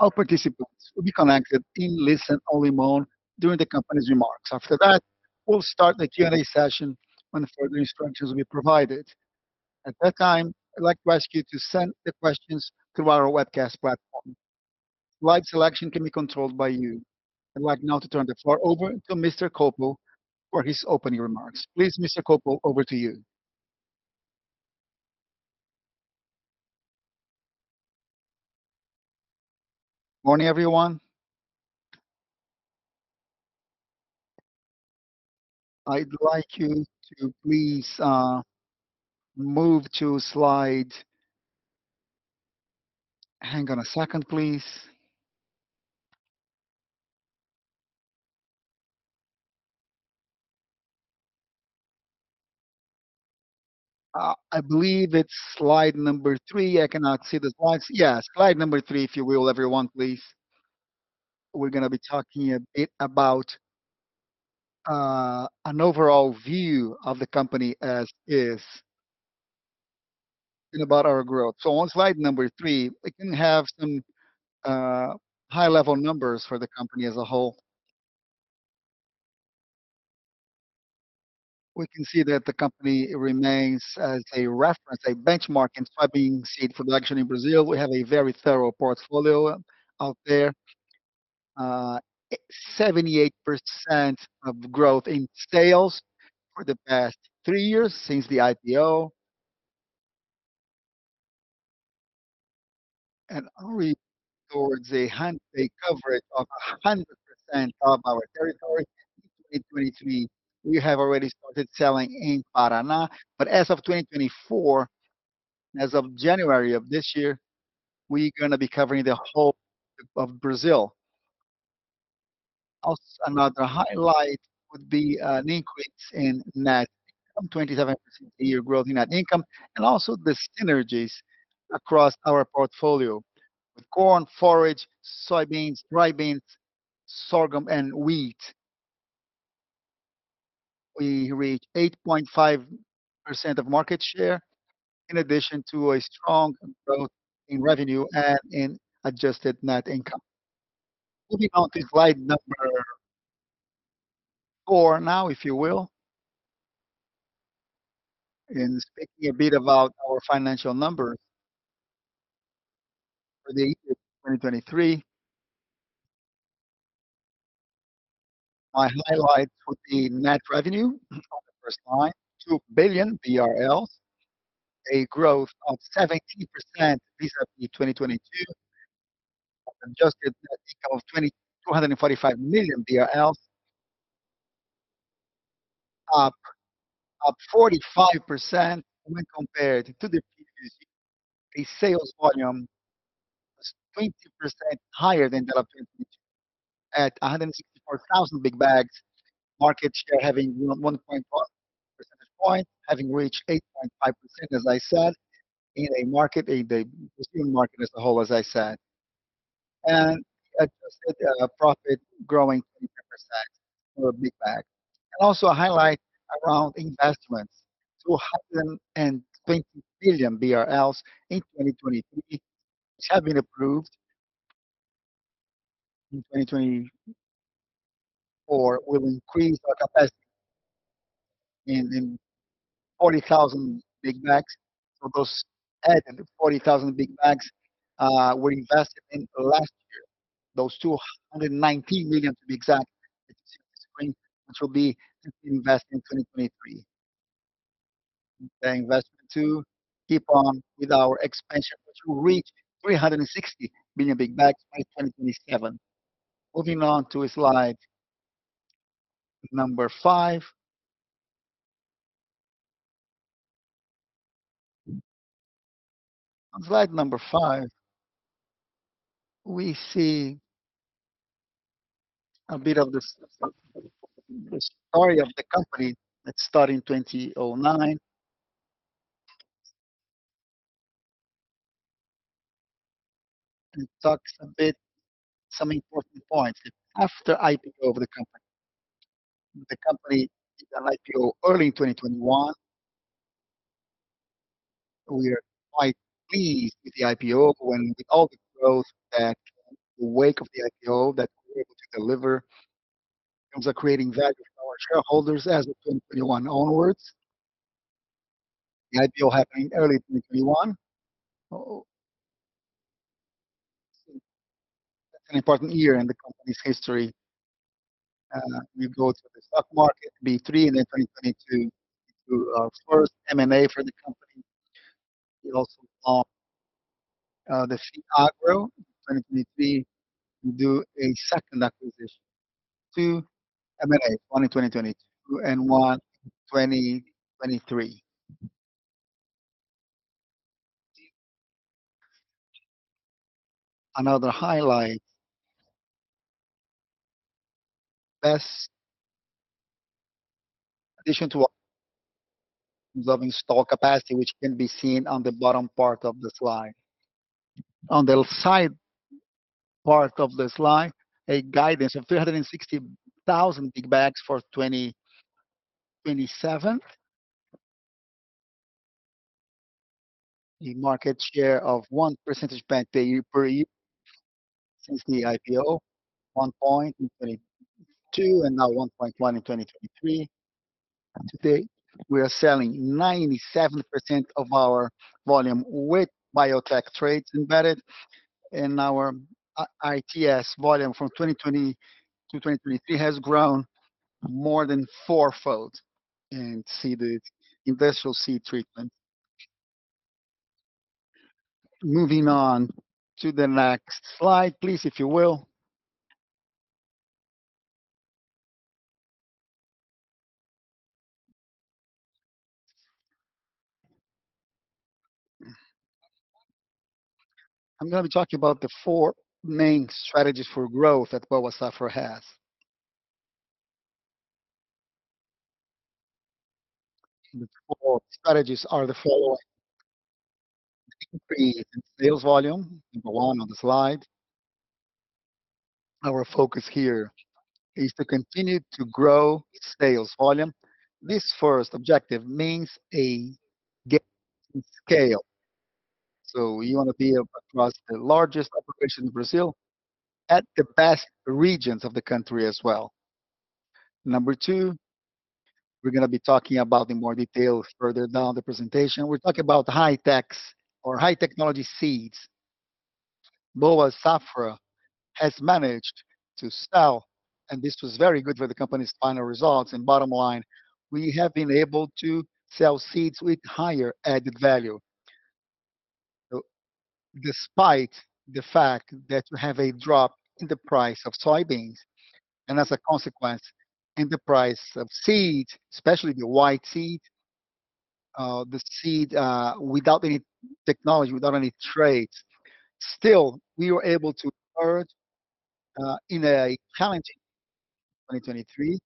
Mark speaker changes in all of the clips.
Speaker 1: All participants will be connected in listen-only mode during the company's remarks. After that, we'll start the Q&A session when further instructions will be provided. At that time, I'd like to ask you to send the questions through our webcast platform. Live selection can be controlled by you. I'd like now to turn the floor over to Mr. Colpo for his opening remarks. Please, Mr. Colpo, over to you.
Speaker 2: Morning, everyone. I'd like you to please, move to slide, hang on a second, please. I believe it's slide number three. I cannot see the slides. Yes, slide number three, if you will, everyone, please. We're gonna be talking a bit about, an overall view of the company as is, and about our growth. So on slide number three, we can have some, high-level numbers for the company as a whole. We can see that the company remains a reference, a benchmark in soybean seed production in Brazil. We have a very thorough portfolio out there. 78% growth in sales for the past three years since the IPO. And we have achieved coverage of 100% of our territory in 2023, we have already started selling in Paraná. But as of 2024, as of January of this year, we're gonna be covering the whole of Brazil. Also, another highlight would be an increase in net income, 27% year-to-year growth in net income, and also the synergies across our portfolio with corn, forage, soybeans, dry beans, sorghum, and wheat. We reach 8.5% of market share, in addition to a strong growth in revenue and in adjusted net income. Moving on to slide number four now, if you will. In speaking a bit about our financial numbers for the year 2023, my highlights would be net revenue on the first line, 2 billion BRL, a growth of 17% vis-à-vis 2022, adjusted net income of BRL 245 million, up, up 45% when compared to the previous year. A sales volume was 20% higher than developed in 2022, at 164,000 big bags, market share having 1.5 percentage points, having reached 8.5%, as I said, in a market, in the Brazilian market as a whole, as I said. And adjusted, profit growing 25% for a big bag. And also a highlight around investments, 220 million BRL in 2023, which have been approved in 2024 will increase our capacity in, in 40,000 big bags. So those added 40,000 big bags, were invested in last year, those 219 million, to be exact, that you see on the screen, which will be invested in 2023. The investment to keep on with our expansion, which will reach 360 million big bags by 2027. Moving on to slide number five. On slide number five, we see a bit of the story of the company that started in 2009 and talks a bit some important points after IPO of the company. The company did an IPO early in 2021. We are quite pleased with the IPO with all the growth that the wake of the IPO that we were able to deliver in terms of creating value for our shareholders as of 2021 onwards. The IPO happening early in 2021. Oh. That's an important year in the company's history. We go to the stock market, B3, and then 2022, we do our first M&A for the company. We also bought the FIAGRO in 2023 and do a second acquisition. Two M&As, one in 2022 and one in 2023. Another highlight, best addition to resolving stock capacity, which can be seen on the bottom part of the slide. On the side part of the slide, a guidance of 360,000 big bags for 2027, a market share of one percentage point per year since the IPO, one point in 2022 and now 1.1 in 2023. Today, we are selling 97% of our volume with biotech traits embedded, and our IST volume from 2020 to 2023 has grown more than fourfold. And see the industrial seed treatment. Moving on to the next slide, please, if you will. I'm gonna be talking about the 4 main strategies for growth that Boa Safra has. The four strategies are the following: increase in sales volume, number one on the slide. Our focus here is to continue to grow sales volume. This first objective means a gain in scale. So you wanna be across the largest operation in Brazil at the best regions of the country as well. Number two, we're gonna be talking about in more detail further down the presentation. We're talking about high-techs or high-technology seeds. Boa Safra has managed to sell, and this was very good for the company's final results. Bottom line, we have been able to sell seeds with higher added value. So despite the fact that you have a drop in the price of soybeans and, as a consequence, in the price of seeds, especially the white seed, the seed, without any technology, without any traits, still we were able to manage, in a challenging year in 2023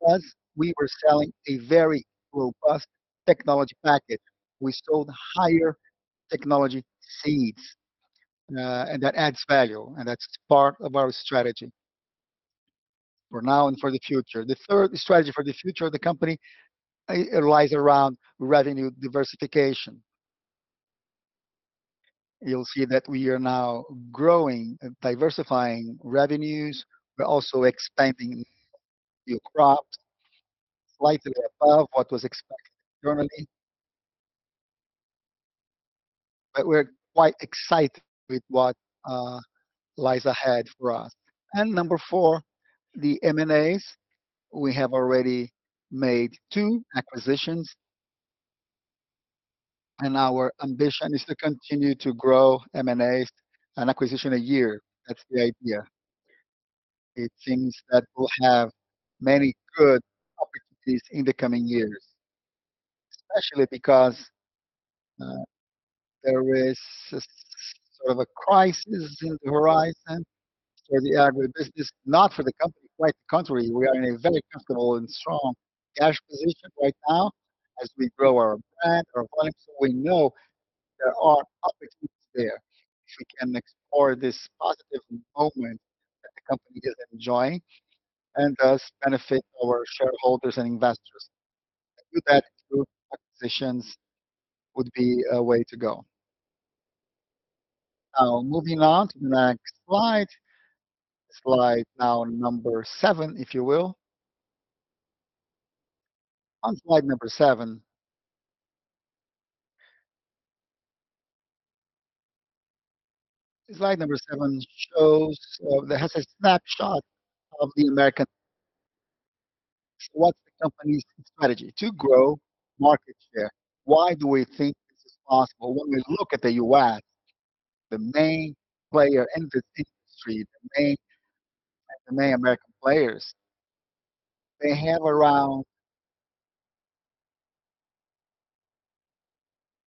Speaker 2: because we were selling a very robust technology package. We sold higher technology seeds, and that adds value, and that's part of our strategy for now and for the future. The third strategy for the future of the company, it lies around revenue diversification. You'll see that we are now growing and diversifying revenues. We're also expanding new crops, slightly above what was expected internally. But we're quite excited with what lies ahead for us. And number four, the M&As. We have already made two acquisitions, and our ambition is to continue to grow M&As an acquisition a year. That's the idea. It seems that we'll have many good opportunities in the coming years, especially because there is sort of a crisis on the horizon for the agribusiness, not for the company, quite the contrary. We are in a very comfortable and strong cash position right now as we grow our brand, our volume, so we know there are opportunities there if we can explore this positive moment that the company is enjoying and thus benefit our shareholders and investors. I do that through acquisitions would be a way to go. Now, moving on to the next slide, slide now number seven, if you will. On slide number seven, slide number seven shows that has a snapshot of the Americas. So what's the company's strategy? To grow market share. Why do we think this is possible? When we look at the U.S., the main player in this industry, the main, the main American players, they have around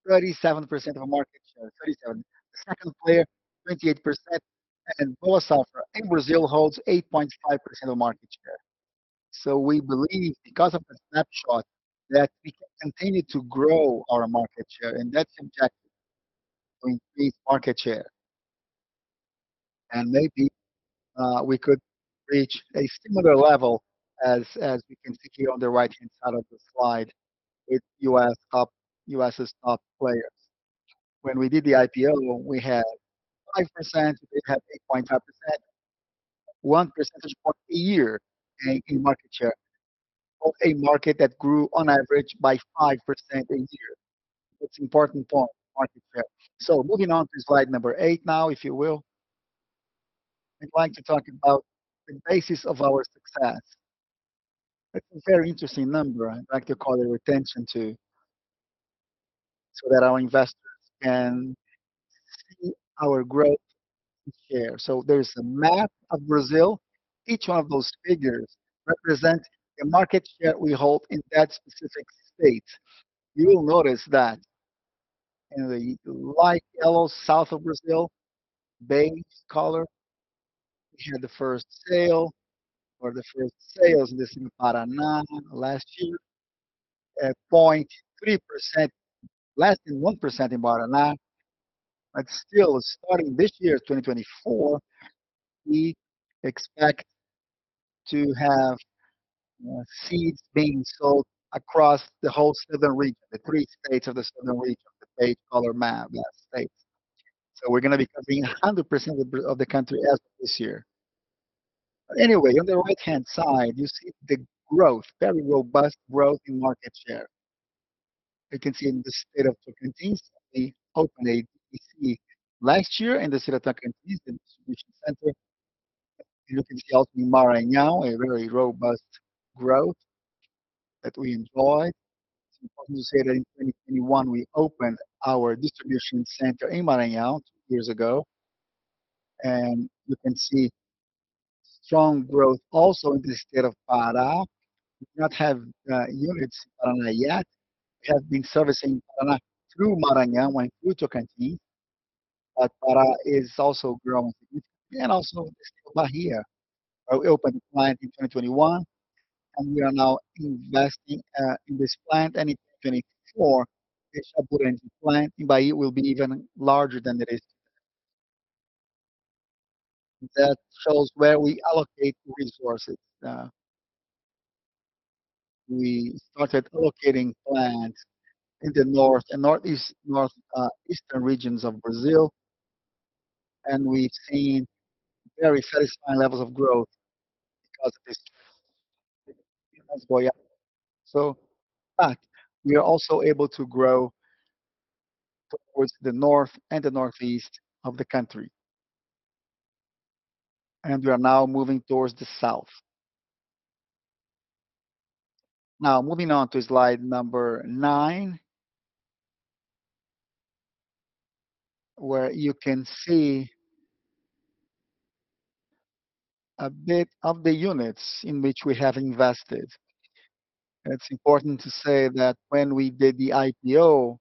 Speaker 2: 37% of a market share, 37%. The second player, 28%, and Boa Safra in Brazil holds 8.5% of market share. So we believe, because of the snapshot, that we can continue to grow our market share, and that's the objective, to increase market share. And maybe, we could reach a similar level as, as we can see here on the right-hand side of the slide with U.S. top, U.S.'s top players. When we did the IPO, we had 5%, we did have 8.5%, one percentage point a year in, in market share, a market that grew on average by 5% a year. It's an important point, market share. So moving on to slide number eight now, if you will. I'd like to talk about the basis of our success. That's a very interesting number. I'd like to call it retention too, so that our investors can see our growth in share. So there's a map of Brazil. Each one of those figures represents the market share we hold in that specific state. You will notice that in the light yellow south of Brazil, beige color, we had the first sale or the first sales in this in Paraná last year, at 0.3%, less than 1% in Paraná. But still, starting this year, 2024, we expect to have seeds being sold across the whole southern region, the three states of the southern region, the beige color map, that states. So we're gonna be covering 100% of the of the country as of this year. Anyway, on the right-hand side, you see the growth, very robust growth in market share. You can see in the state of Tocantins, we opened a DC last year in the state of Tocantins, the distribution center. And you can see also in Maranhão, a very robust growth that we enjoyed. It's important to say that in 2021, we opened our distribution center in Maranhão two years ago. You can see strong growth also in the state of Pará. We do not have units in Paraná yet. We have been servicing Pará through Maranhão and through Tocantins. But Pará is also growing significantly and also in the state of Bahia. We opened a plant in 2021, and we are now investing in this plant. And in 2024, the Jaborandi plant in Bahia will be even larger than it is today. That shows where we allocate resources. We started allocating plants in the north and northeast, north, eastern regions of Brazil, and we've seen very satisfying levels of growth because of this experience going up. So. But we are also able to grow towards the north and the northeast of the country. And we are now moving towards the south. Now, moving on to slide number nine, where you can see a bit of the units in which we have invested. It's important to say that when we did the IPO,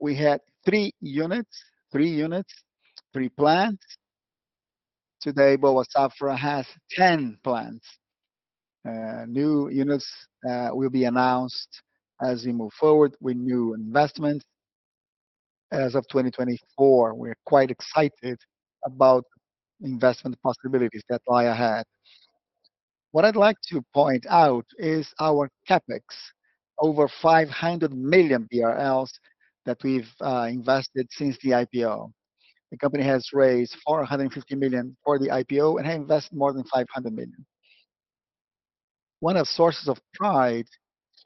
Speaker 2: we had three units, three units, three plants. Today, Boa Safra has 10 plants. New units will be announced as we move forward with new investments. As of 2024, we're quite excited about investment possibilities that lie ahead. What I'd like to point out is our CapEx, over 500 million BRL that we've invested since the IPO. The company has raised 450 million for the IPO and has invested more than 500 million. One of the sources of pride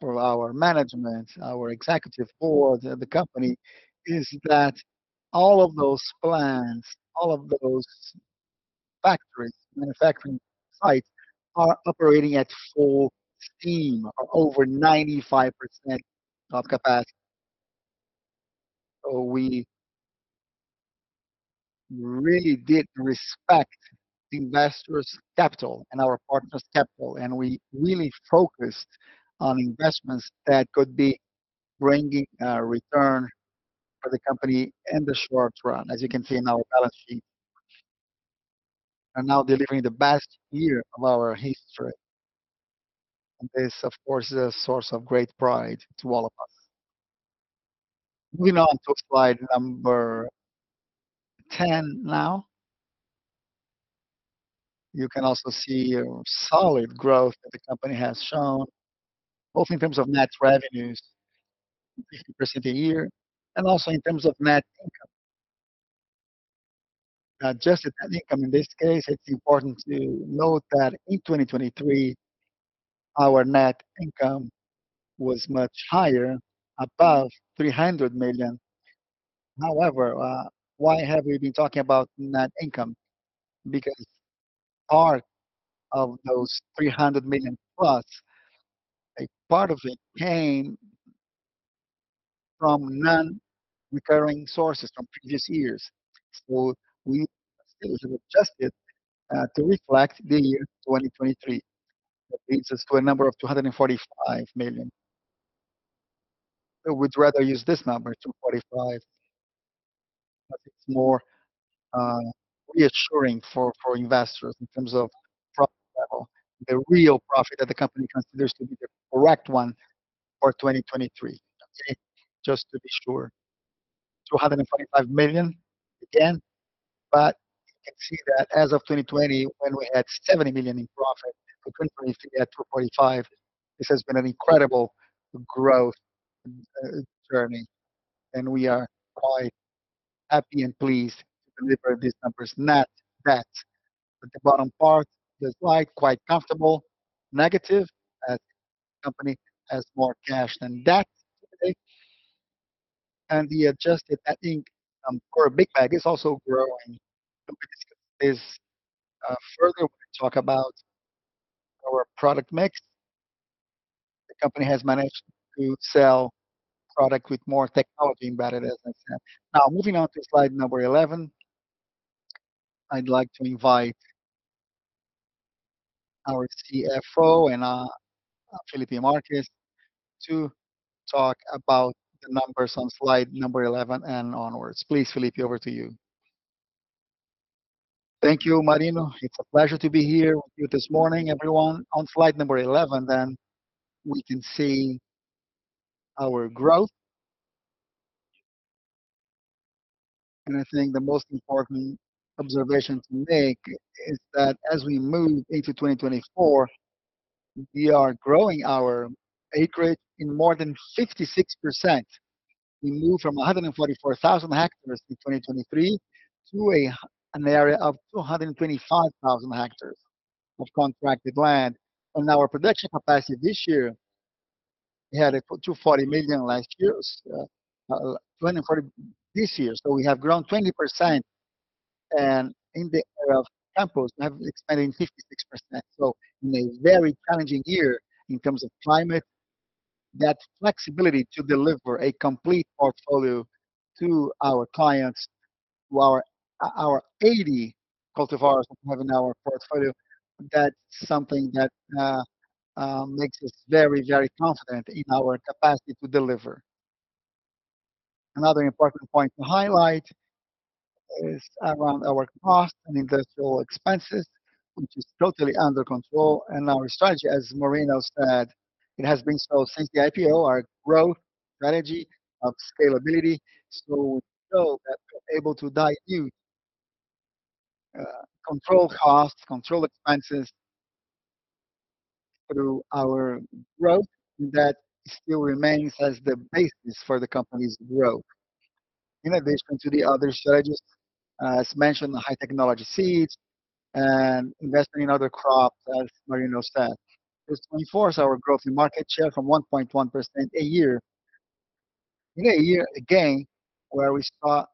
Speaker 2: for our management, our executive board at the company, is that all of those plants, all of those factories, manufacturing sites are operating at full steam, are over 95% of capacity. So we really did respect investors' capital and our partners' capital, and we really focused on investments that could be bringing return for the company in the short run, as you can see in our balance sheet. We are now delivering the best year of our history, and this, of course, is a source of great pride to all of us. Moving on to slide number 10 now. You can also see a solid growth that the company has shown, both in terms of net revenues, 50% a year, and also in terms of net income. Now, just the net income in this case, it's important to note that in 2023, our net income was much higher, above 300 million. However, why have we been talking about net income? Because part of those 300 million plus, a part of it came from non-recurring sources from previous years. So we still adjust it, to reflect the year 2023. That leads us to a number of 245 million. So we'd rather use this number, 245, 'cause it's more reassuring for investors in terms of profit level, the real profit that the company considers to be the correct one for 2023. Okay, just to be sure. 245 million, again. But you can see that as of 2020, when we had 70 million in profit, we couldn't really see that 245. This has been an incredible growth journey, and we are quite happy and pleased to deliver these numbers, net debt. But the bottom part of the slide, quite comfortable, negative, as the company has more cash than debt today. And the adjusted, I think, for a big bag is also growing. The company is, further when we talk about our product mix. The company has managed to sell product with more technology embedded, as I said. Now, moving on to slide number 11, I'd like to invite our CFO and Felipe Marques to talk about the numbers on slide number 11 and onwards. Please, Filipe, over to you.
Speaker 3: Thank you, Marino. It's a pleasure to be here with you this morning, everyone. On slide number 11, then we can see our growth. I think the most important observation to make is that as we move into 2024, we are growing our acreage in more than 56%. We moved from 144,000 hectares in 2023 to an area of 225,000 hectares of contracted land. And our production capacity this year, we had it for 240 million last year, 240 this year. So we have grown 20%. And in the area of CapEX, we have expanded in 56%. So in a very challenging year in terms of climate, that flexibility to deliver a complete portfolio to our clients, to our, our 80 cultivars that we have in our portfolio, that's something that makes us very, very confident in our capacity to deliver. Another important point to highlight is around our cost and industrial expenses, which is totally under control. And our strategy, as Marino said, it has been so since the IPO, our growth strategy of scalability. So we show that we're able to dilute, control costs, control expenses through our growth, and that still remains as the basis for the company's growth. In addition to the other strategies, as mentioned, the high-technology seeds and investing in other crops, as Marino said, this reinforced our growth in market share from 1.1% a year. In a year, again, where we saw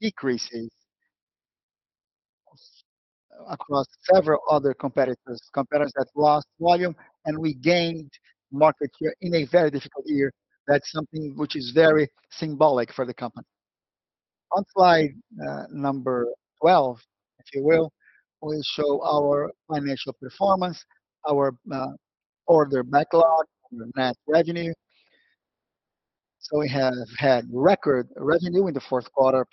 Speaker 3: decreases across several other competitors, competitors that lost volume and we gained market share in a very difficult year, that's something which is very symbolic for the company. On slide number 12, if you will, we'll show our financial performance, our order backlog, our net revenue. So we have had record revenue in the fourth quarter of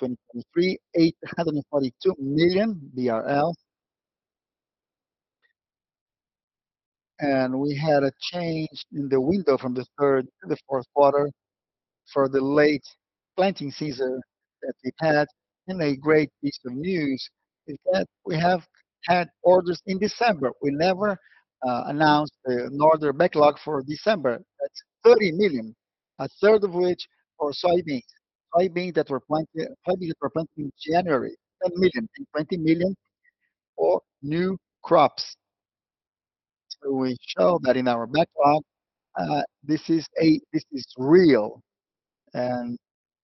Speaker 3: 2023, BRL 842 million. And we had a change in the window from the third to the fourth quarter for the late planting season that we've had. And a great piece of news is that we have had orders in December. We never announced an order backlog for December. That's 30 million, a third of which for soybeans, soybeans that were planted, soybeans that were planted in January, 10 million, 20 million for new crops. So we show that in our backlog, this is a, this is real and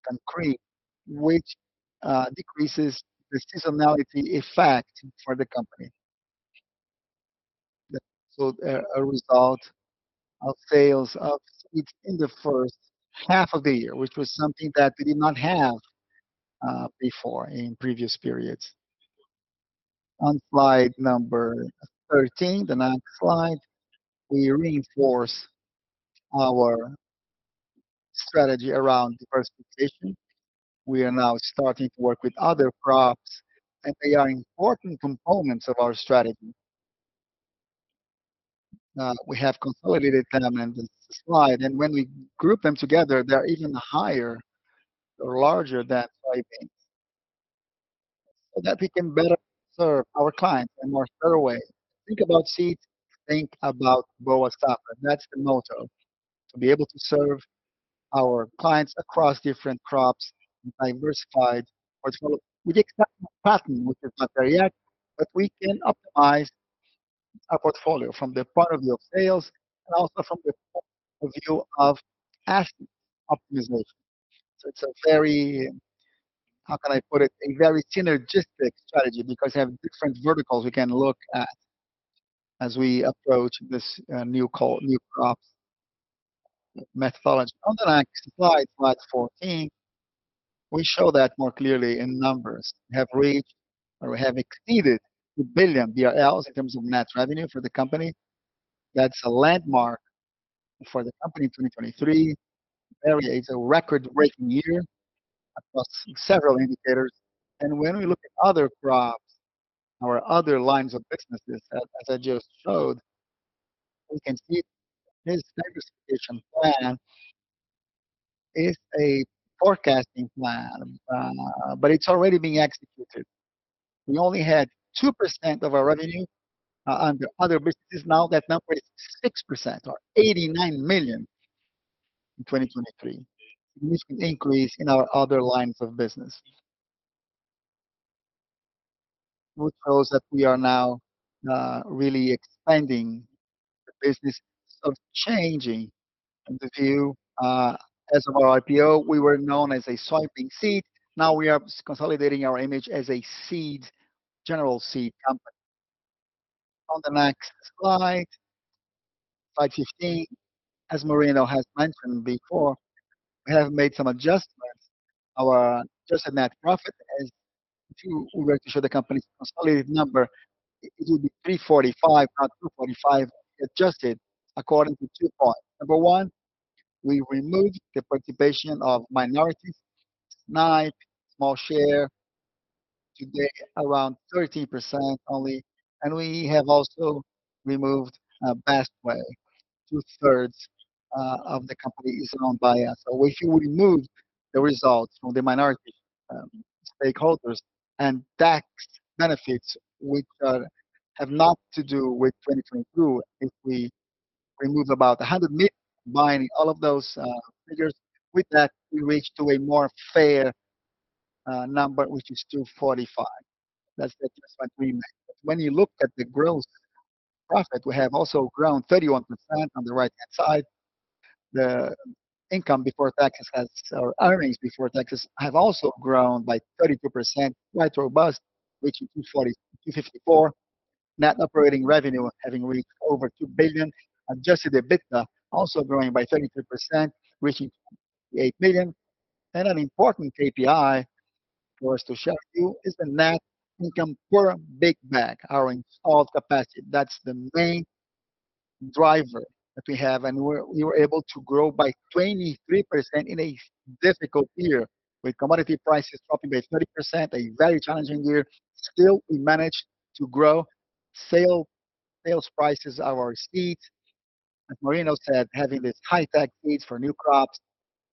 Speaker 3: concrete, which decreases the seasonality effect for the company. So there are results of sales of seeds in the first half of the year, which was something that we did not have before in previous periods. On slide number 13, the next slide, we reinforce our strategy around diversification. We are now starting to work with other crops, and they are important components of our strategy. We have consolidated them in this slide, and when we group them together, they're even higher or larger than soybeans. So that we can better serve our clients in a more thorough way. Think about seeds, think about Boa Safra. That's the motto. To be able to serve our clients across different crops, diversified portfolio. We didn't have a pattern, which is not there yet, but we can optimize our portfolio from the point of view of sales and also from the point of view of asset optimization. So it's a very, how can I put it, a very synergistic strategy because we have different verticals we can look at as we approach this new call, new crops methodology. On the next slide, slide 14, we show that more clearly in numbers. We have reached or we have exceeded 1 billion BRL in terms of net revenue for the company. That's a landmark for the company in 2023. Very, it's a record-breaking year across several indicators. When we look at other crops, our other lines of businesses, as I just showed, we can see this diversification plan is a forecasting plan, but it's already being executed. We only had 2% of our revenue under other businesses. Now that number is 6% or 89 million in 2023, significant increase in our other lines of business, which shows that we are now really expanding the business, sort of changing the view. As of our IPO, we were known as a soybean seed. Now we are consolidating our image as a seed general seed company. On the next slide, slide 15, as Marino has mentioned before, we have made some adjustments. Our adjusted net profit, as if we were to show the company's consolidated number, it would be 345 million, not 245 million, adjusted according to two points. Number one, we removed the participation of minorities, SNIPE, small share, today around 13% only. And we have also removed Bestway; two-thirds of the company is owned by us. So if you remove the results from the minority stakeholders and tax benefits, which have not to do with 2022, if we remove about 100 million, combining all of those figures with that, we reached to a more fair number, which is 245 million. That's the adjustment we made. But when you look at the gross profit, we have also grown 31% on the right-hand side. The income before taxes has, or earnings before taxes, have also grown by 32%, quite robust, reaching 240, 254 million. Net operating revenue having reached over 2 billion, adjusted EBITDA also growing by 32%, reaching 28 million. And an important KPI for us to show you is the net income per big bag, our installed capacity. That's the main driver that we have, and we were able to grow by 23% in a difficult year with commodity prices dropping by 30%, a very challenging year. Still, we managed to grow. Sales prices of our seeds, as Marino said, having this high-tech seeds for new crops,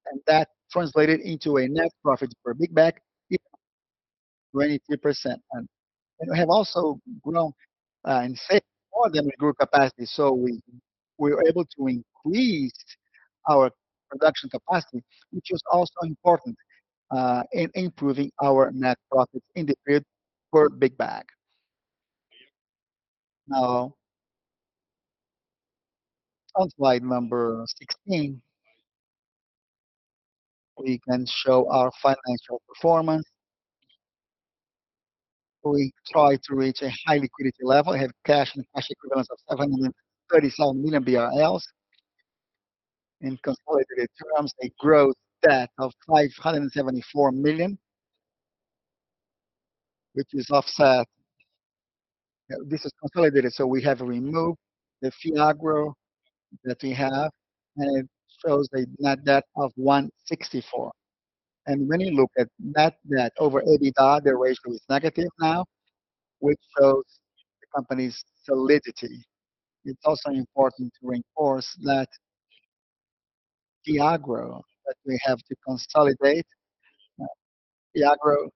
Speaker 3: and that translated into a net profit per big bag, even up 23%. And we have also grown, in sales more than we grew capacity. So we were able to increase our production capacity, which is also important, in improving our net profits in the period per big bag. Now, on slide number 16, we can show our financial performance. We tried to reach a high liquidity level, have cash and cash equivalents of 737 million BRL. In consolidated terms, a gross debt of 574 million, which is offset. This is consolidated, so we have removed the FIAGRO that we have, and it shows a net debt of 164 million. When you look at net debt over EBITDA, the ratio is negative now, which shows the company's solidity. It's also important to reinforce that FIAGRO that we have to consolidate, FIAGRO,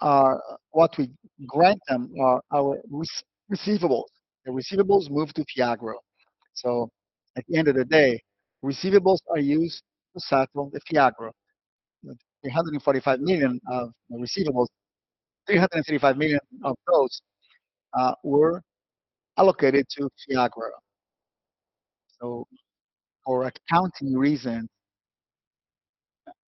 Speaker 3: are what we grant them, are our receivables. The receivables move to FIAGRO. So at the end of the day, receivables are used to settle the FIAGRO. The 345 million of receivables, 335 million of those, were allocated to FIAGRO. So for accounting reasons,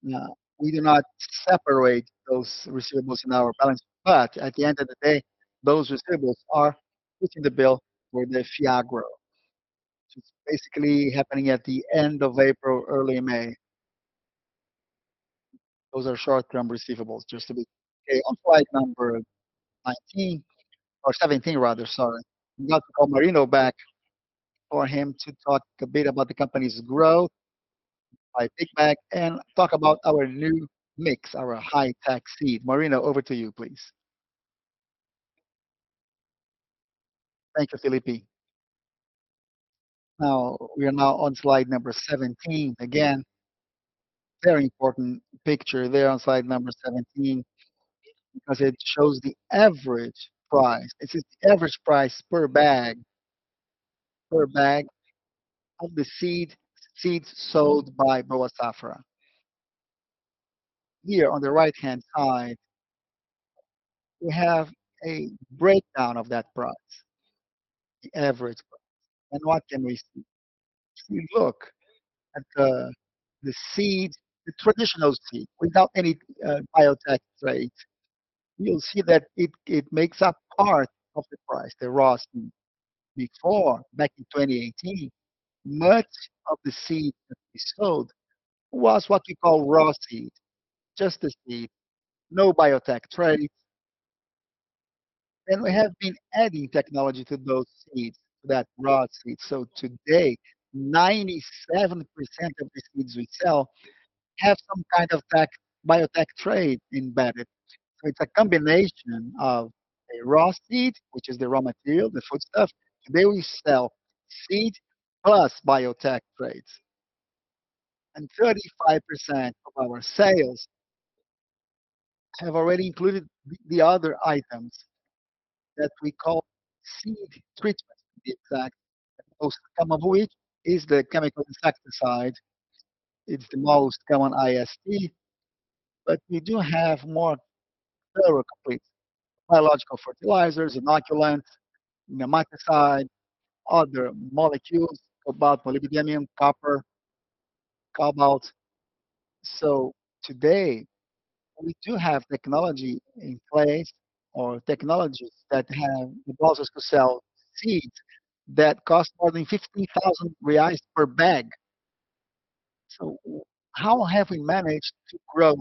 Speaker 3: we do not separate those receivables in our balance sheet. But at the end of the day, those receivables are put in the bill for the FIAGRO, which is basically happening at the end of April, early May. Those are short-term receivables, just to be. Okay, on slide number 19, or 17, rather, sorry. We got to call Marino back for him to talk a bit about the company's growth by big bag and talk about our new mix, our high-tech seed. Marino, over to you, please.
Speaker 2: Thank you, Felipe. Now, we are on slide number 17 again. Very important picture there on slide number 17 because it shows the average price. This is the average price per bag, per bag of the seeds sold by Boa Safra. Here on the right-hand side, we have a breakdown of that price, the average price. And what can we see? If you look at the seed, the traditional seed without any biotech traits, you'll see that it makes up part of the price, the raw seed. Before, back in 2018, much of the seed that we sold was what you call raw seed, just the seed, no biotech traits. We have been adding technology to those seeds, to that raw seed. So today, 97% of the seeds we sell have some kind of tech, biotech trait embedded. So it's a combination of a raw seed, which is the raw material, the foodstuff. Today we sell seed plus biotech traits. And 35% of our sales have already included the other items that we call seed treatments, to be exact. The most common of which is the chemical insecticide. It's the most common IST. But we do have more thorough complete biological fertilizers, inoculants, nematicide, other molecules, cobalt, molybdenum copper, cobalt. So today, we do have technology in place or technologies that have the process to sell seeds that cost more than 50,000 reais per bag. So how have we managed to grow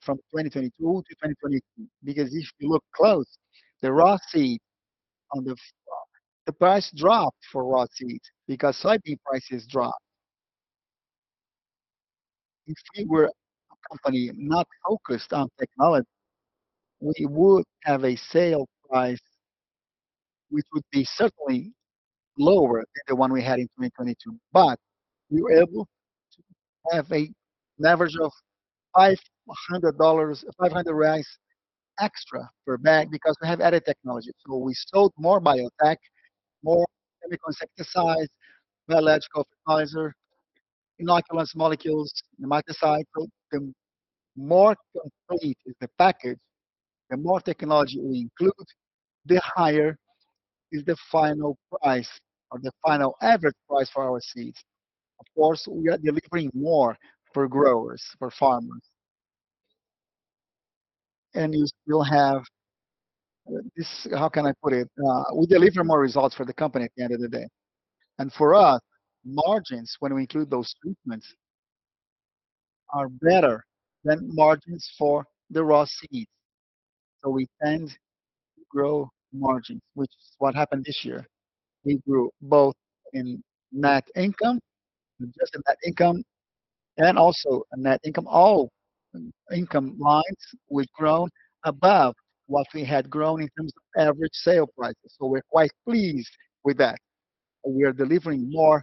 Speaker 2: from 2022 to 2023? Because if you look close, the raw seed, the price dropped for raw seeds because soybean prices dropped. If we were a company not focused on technology, we would have a sale price which would be certainly lower than the one we had in 2022. But we were able to have an average of BRL 500, 500 reais extra per bag because we have added technology. So we sold more biotech, more chemical insecticides, biological fertilizer, inoculants, molecules, nematicide. So the more complete is the package, the more technology we include, the higher is the final price or the final average price for our seeds. Of course, we are delivering more for growers, for farmers. And you still have this, how can I put it? We deliver more results for the company at the end of the day. For us, margins, when we include those treatments, are better than margins for the raw seeds. So we tend to grow margins, which is what happened this year. We grew both in net income, just in net income, and also in net income, all income lines we've grown above what we had grown in terms of average sale prices. So we're quite pleased with that. We are delivering more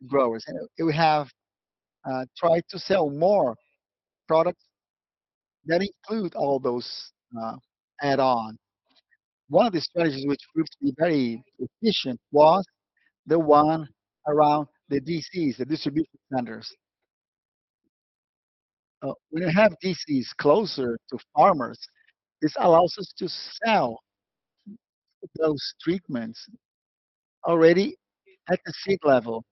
Speaker 2: to growers. And we have, tried to sell more products that include all those, add-ons. One of the strategies which proved to be very efficient was the one around the DCs, the distribution centers. When you have DCs closer to farmers, this allows us to sell those treatments already at the seed level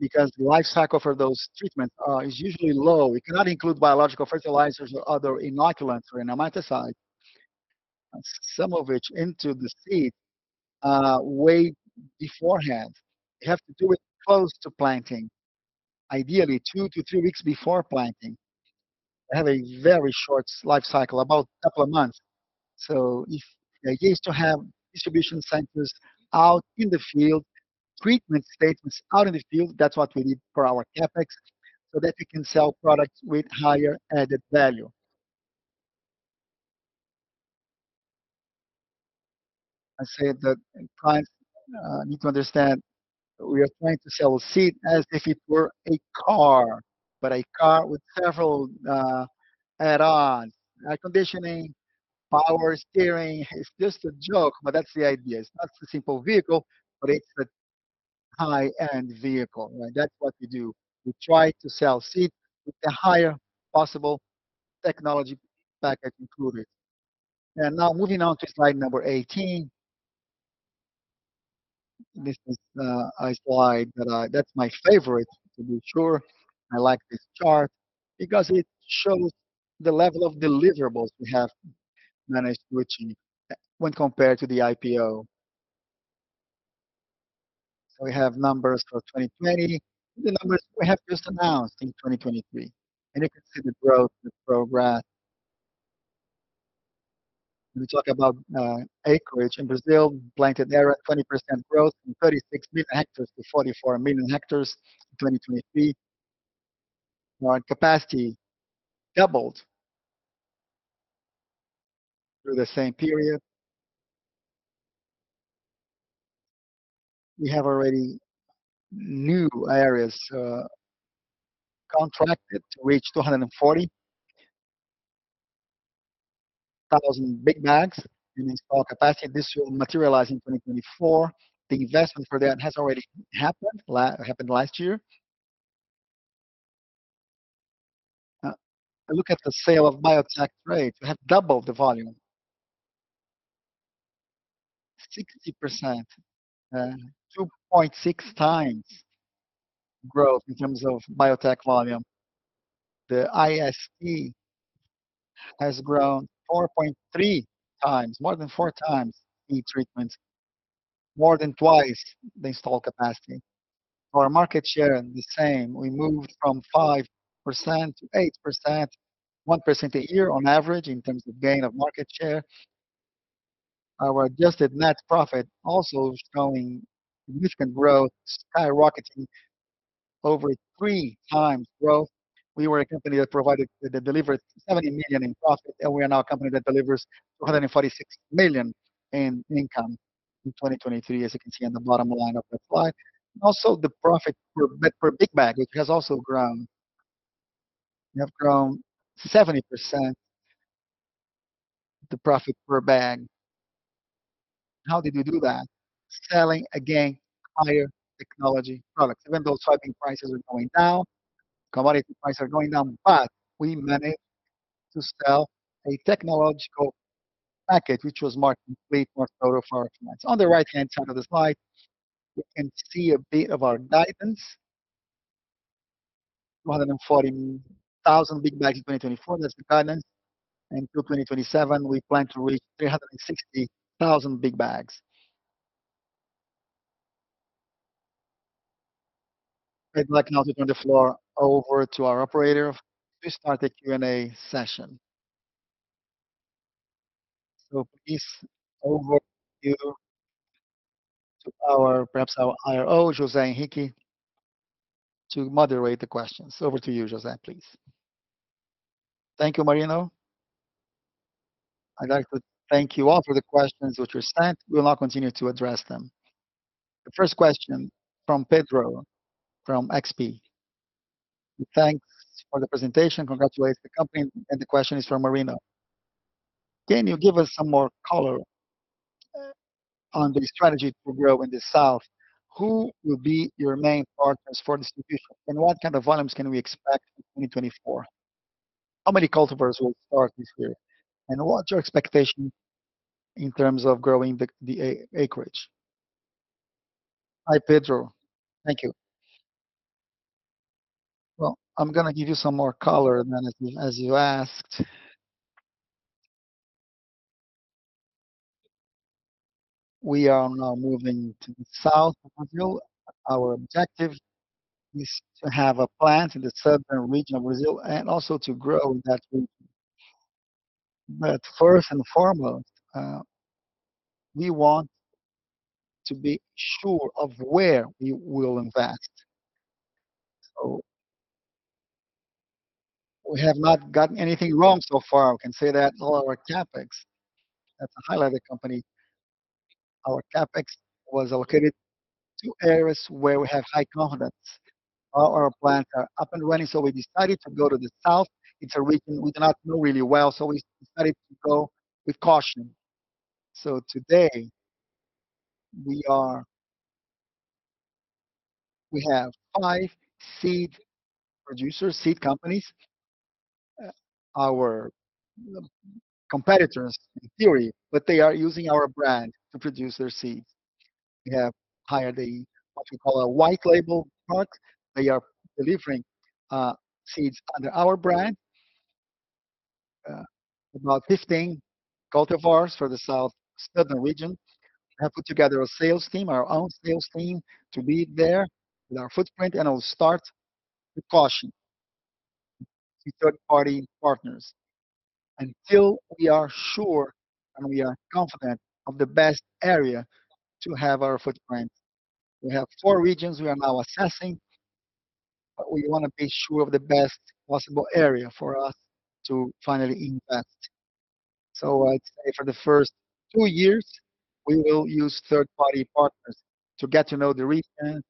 Speaker 2: because the life cycle for those treatments is usually low. You cannot include biological fertilizers or other inoculants or nematicides, some of which into the seed, way beforehand. You have to do it close to planting, ideally two-three weeks before planting. They have a very short life cycle, about a couple of months. So if the idea is to have distribution centers out in the field, treatment stations out in the field, that's what we need for our CapEx so that we can sell products with higher added value. I say that clients need to understand we are trying to sell a seed as if it were a car, but a car with several add-ons. Air conditioning, power steering, it's just a joke, but that's the idea. It's not a simple vehicle, but it's a high-end vehicle, right? That's what we do. We try to sell seed with the higher possible technology package included. Now moving on to slide number 18. This is a slide that's my favorite, to be sure. I like this chart because it shows the level of deliverables we have managed to achieve when compared to the IPO. We have numbers for 2020, the numbers we have just announced in 2023. You can see the growth, the progress. When we talk about acreage in Brazil, planted area, 20% growth from 36 million hectares to 44 million hectares in 2023. Our capacity doubled through the same period. We have already new areas, contracted to reach 240,000 big bags in installed capacity. This will materialize in 2024. The investment for that has already happened, happened last year. I look at the sale of biotech traits, we have doubled the volume, 60%, 2.6 times growth in terms of biotech volume. The IST has grown 4.3 times, more than four times in treatments, more than twice the installed capacity. Our market share is the same. We moved from 5%-8%, 1% a year on average in terms of gain of market share. Our adjusted net profit also is showing significant growth, skyrocketing over three times growth. We were a company that provided, that delivered 70 million in profit, and we are now a company that delivers 246 million in income in 2023, as you can see on the bottom line of the slide. Also, the profit per big bag, which has also grown, we have grown 70% the profit per bag. How did we do that? Selling again higher technology products, even though soybean prices are going down, commodity prices are going down, but we managed to sell a technological package, which was more complete, more thorough for our clients. On the right-hand side of the slide, you can see a bit of our guidance, 240,000 big bags in 2024, that's the guidance. And till 2027, we plan to reach 360,000 big bags. I'd like now to turn the floor over to our operator to start the Q&A session. So please, over to you, to our, perhaps our IRO, José Henrique, to moderate the questions. Over to you, José, please.
Speaker 4: Thank you, Marino. I'd like to thank you all for the questions which were sent. We will now continue to address them. The first question from Pedro from XP. Thanks for the presentation, congratulates the company. And the question is from Marino. Can you give us some more color on the strategy to grow in the south? Who will be your main partners for distribution, and what kind of volumes can we expect in 2024? How many cultivars will start this year, and what's your expectation in terms of growing the acreage?
Speaker 2: Hi, Pedro. Thank you. Well, I'm gonna give you some more color then, as you asked. We are now moving to the south of Brazil. Our objective is to have a plant in the southern region of Brazil and also to grow in that region. But first and foremost, we want to be sure of where we will invest. So we have not gotten anything wrong so far. We can say that all our CapEx, that's a highlighted company. Our CapEx was allocated to areas where we have high confidence. All our plants are up and running, so we decided to go to the south. It's a region we do not know really well, so we decided to go with caution. So today, we have five seed producers, seed companies, our competitors in theory, but they are using our brand to produce their seeds. We have, they, what we call a white label product. They are delivering seeds under our brand, about 15 cultivars for the southern region. We have put together a sales team, our own sales team, to lead there with our footprint, and we'll start with caution, with third-party partners, until we are sure and we are confident of the best area to have our footprint. We have four regions we are now assessing, but we wanna be sure of the best possible area for us to finally invest. So I'd say for the first two years, we will use third-party partners to get to know the region,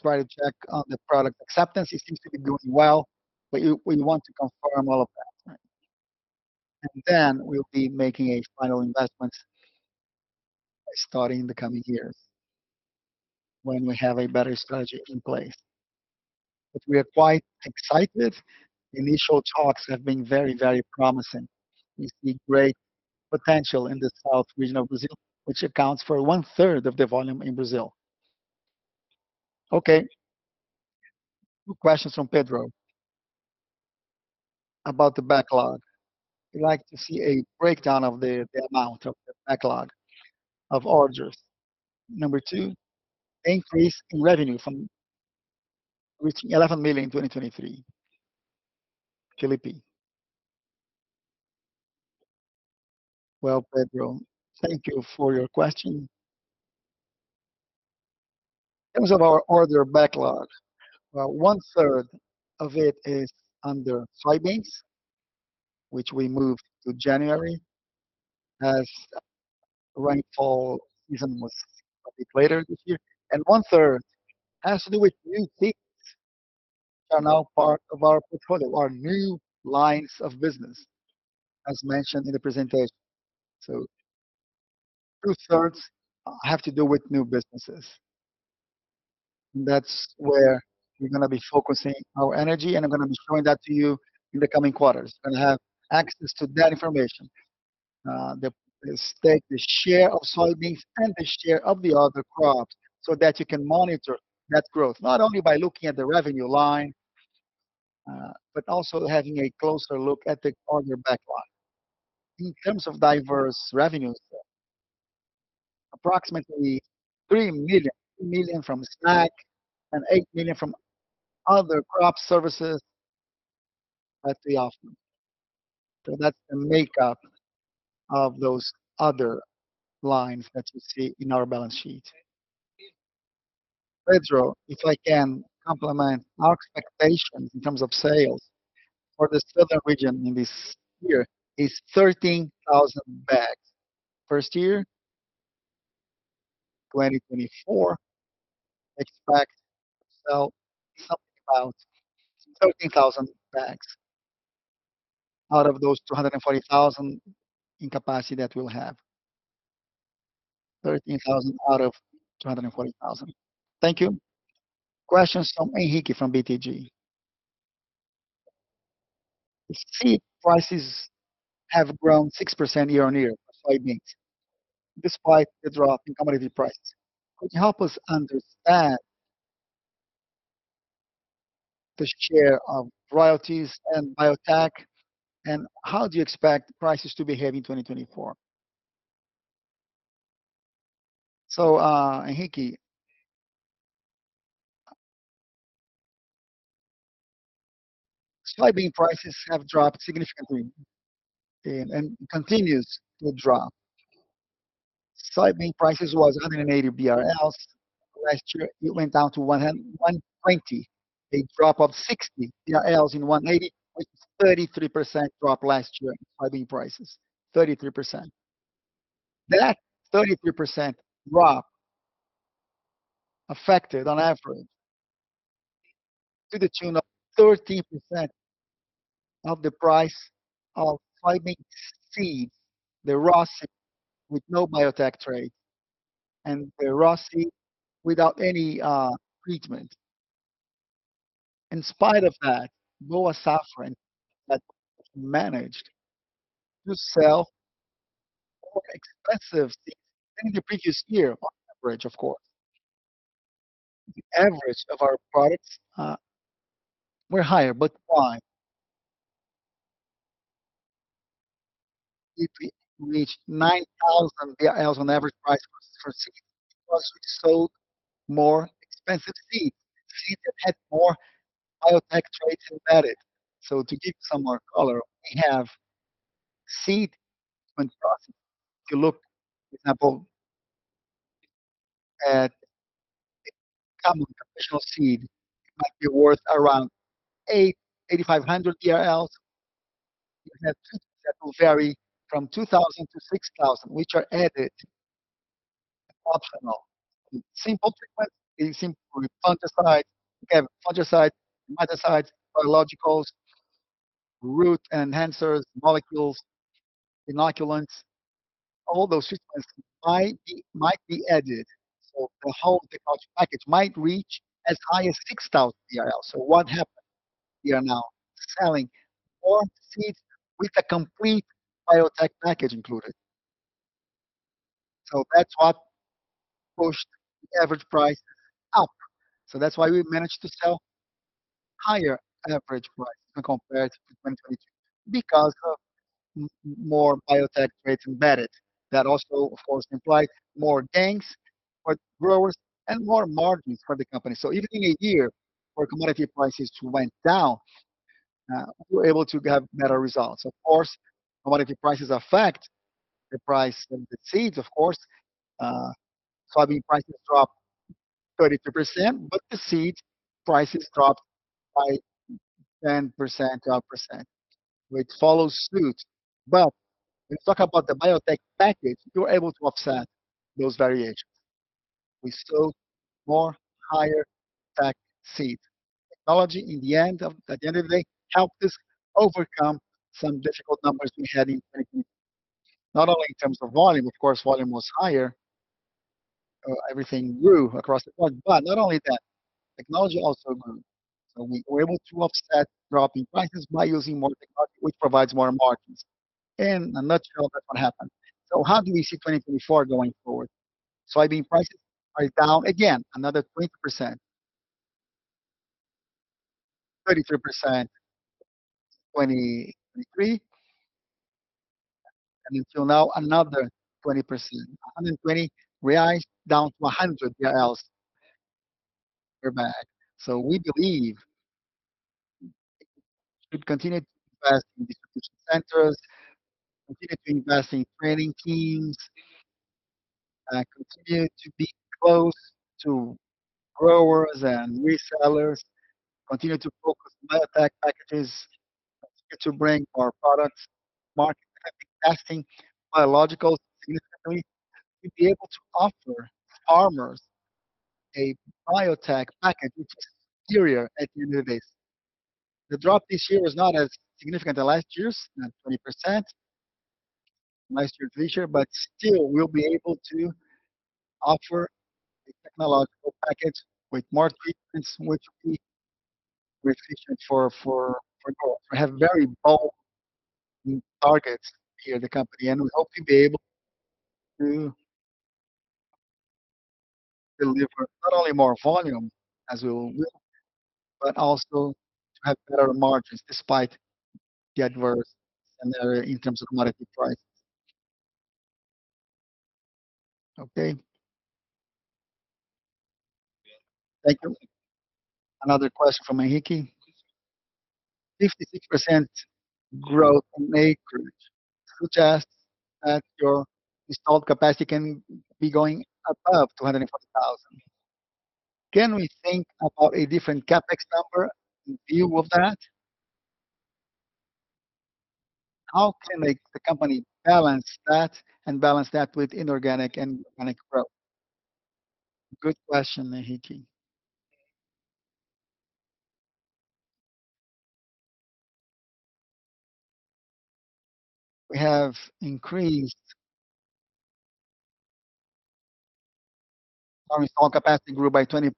Speaker 2: try to check on the product acceptance. It seems to be doing well, but we want to confirm all of that. Then we'll be making a final investment starting in the coming years when we have a better strategy in place. But we are quite excited. The initial talks have been very, very promising. We see great potential in the south region of Brazil, which accounts for one-third of the volume in Brazil.
Speaker 4: Okay. two questions from Pedro about the backlog. We'd like to see a breakdown of the amount of the backlog of orders. Number two, increase in revenue from reaching 11 million in 2023, Felipe.
Speaker 3: Well, Pedro, thank you for your question. In terms of our order backlog, well, one-third of it is under soybeans, which we moved to January as the rainfall season was a bit later this year. And one-third has to do with new seeds that are now part of our portfolio, our new lines of business, as mentioned in the presentation. So two-thirds have to do with new businesses. And that's where we're gonna be focusing our energy, and I'm gonna be showing that to you in the coming quarters. You're gonna have access to that information, the stake, the share of soybeans, and the share of the other crops so that you can monitor that growth, not only by looking at the revenue line, but also having a closer look at the order backlog. In terms of diverse revenues, approximately 3 million, 3 million from SMAC and 8 million from other crop services at the offer. So that's the makeup of those other lines that you see in our balance sheet. Pedro, if I can complement our expectations in terms of sales for the southern region in this year, it's 13,000 bags. First year, 2024, expect to sell something about 13,000 bags out of those 240,000 in capacity that we'll have, 13,000 out of 240,000.
Speaker 4: Thank you. Questions from Henrique from BTG. The seed prices have grown 6% year-over-year for soybeans despite the drop in commodity prices. Could you help us understand the share of royalties and biotech, and how do you expect prices to behave in 2024?
Speaker 2: So, Henrique, soybean prices have dropped significantly and continued to drop. Soybean prices were 180 BRL last year. It went down to 120, a drop of 60 BRL from 180, which is a 33% drop last year in soybean prices, 33%. That 33% drop affected, on average, to the tune of 13% of the price of soybean seeds, the raw seed with no biotech traits, and the raw seed without any treatment. In spite of that, Boa Safra Sementes managed to sell more expensive seeds than in the previous year, on average, of course. The average of our products were higher, but why? We reached 9,000 on average price for seeds because we sold more expensive seeds, seeds that had more biotech traits embedded. So to give you some more color, we have seed treatment processes. If you look, for example, at common conventional seed, it might be worth around 8,500. You can have two that will vary from 2,000-6,000, which are added, optional. Simple treatments, simple fungicides, we have fungicides, miticides, biologicals, root enhancers, molecules, inoculants. All those treatments might be added. So the whole package might reach as high as 6,000. So what happened? We are now selling more seeds with a complete biotech package included. So that's what pushed the average prices up. So that's why we managed to sell higher average prices compared to 2022, because of more biotech traits embedded. That also, of course, implied more gains, more growers, and more margins for the company. So even in a year where commodity prices went down, we were able to have better results. Of course, commodity prices affect the price of the seeds, of course. Soybean prices dropped 32%, but the seed prices dropped by 10%-12%, which follows suit. But when you talk about the biotech package, you're able to offset those variations. We sold more, higher packed seed. Technology, at the end of the day, helped us overcome some difficult numbers we had in 2022, not only in terms of volume. Of course, volume was higher. Everything grew across the board, but not only that, technology also grew. So we were able to offset dropping prices by using more technology, which provides more margins. In a nutshell, that's what happened. So how do we see 2024 going forward? Soybean prices are down again, another 20%, 33% in 2023, and until now, another 20%, 120 reais down to 100 reais per bag. So we believe we should continue to invest in distribution centers, continue to invest in training teams, continue to be close to growers and resellers, continue to focus on biotech packages, continue to bring more products to the market, have investing in biologicals significantly, to be able to offer farmers a biotech package, which is superior at the end of this. The drop this year was not as significant as last year's, not 20% last year's this year, but still, we'll be able to offer a technological package with more treatments, which will be more efficient for growers. We have very bold targets here, the company, and we hope to be able to deliver not only more volume, as we will, but also to have better margins despite the adverse scenario in terms of commodity prices.
Speaker 4: Okay. Thank you. Another question from Henrique. 56% growth in acreage. Suggests that your installed capacity can be going above 240,000. Can we think about a different CapEx number in view of that? How can the company balance that and balance that with inorganic and organic growth?
Speaker 2: Good question, Henrique. We have increased. Our installed capacity grew by 20%,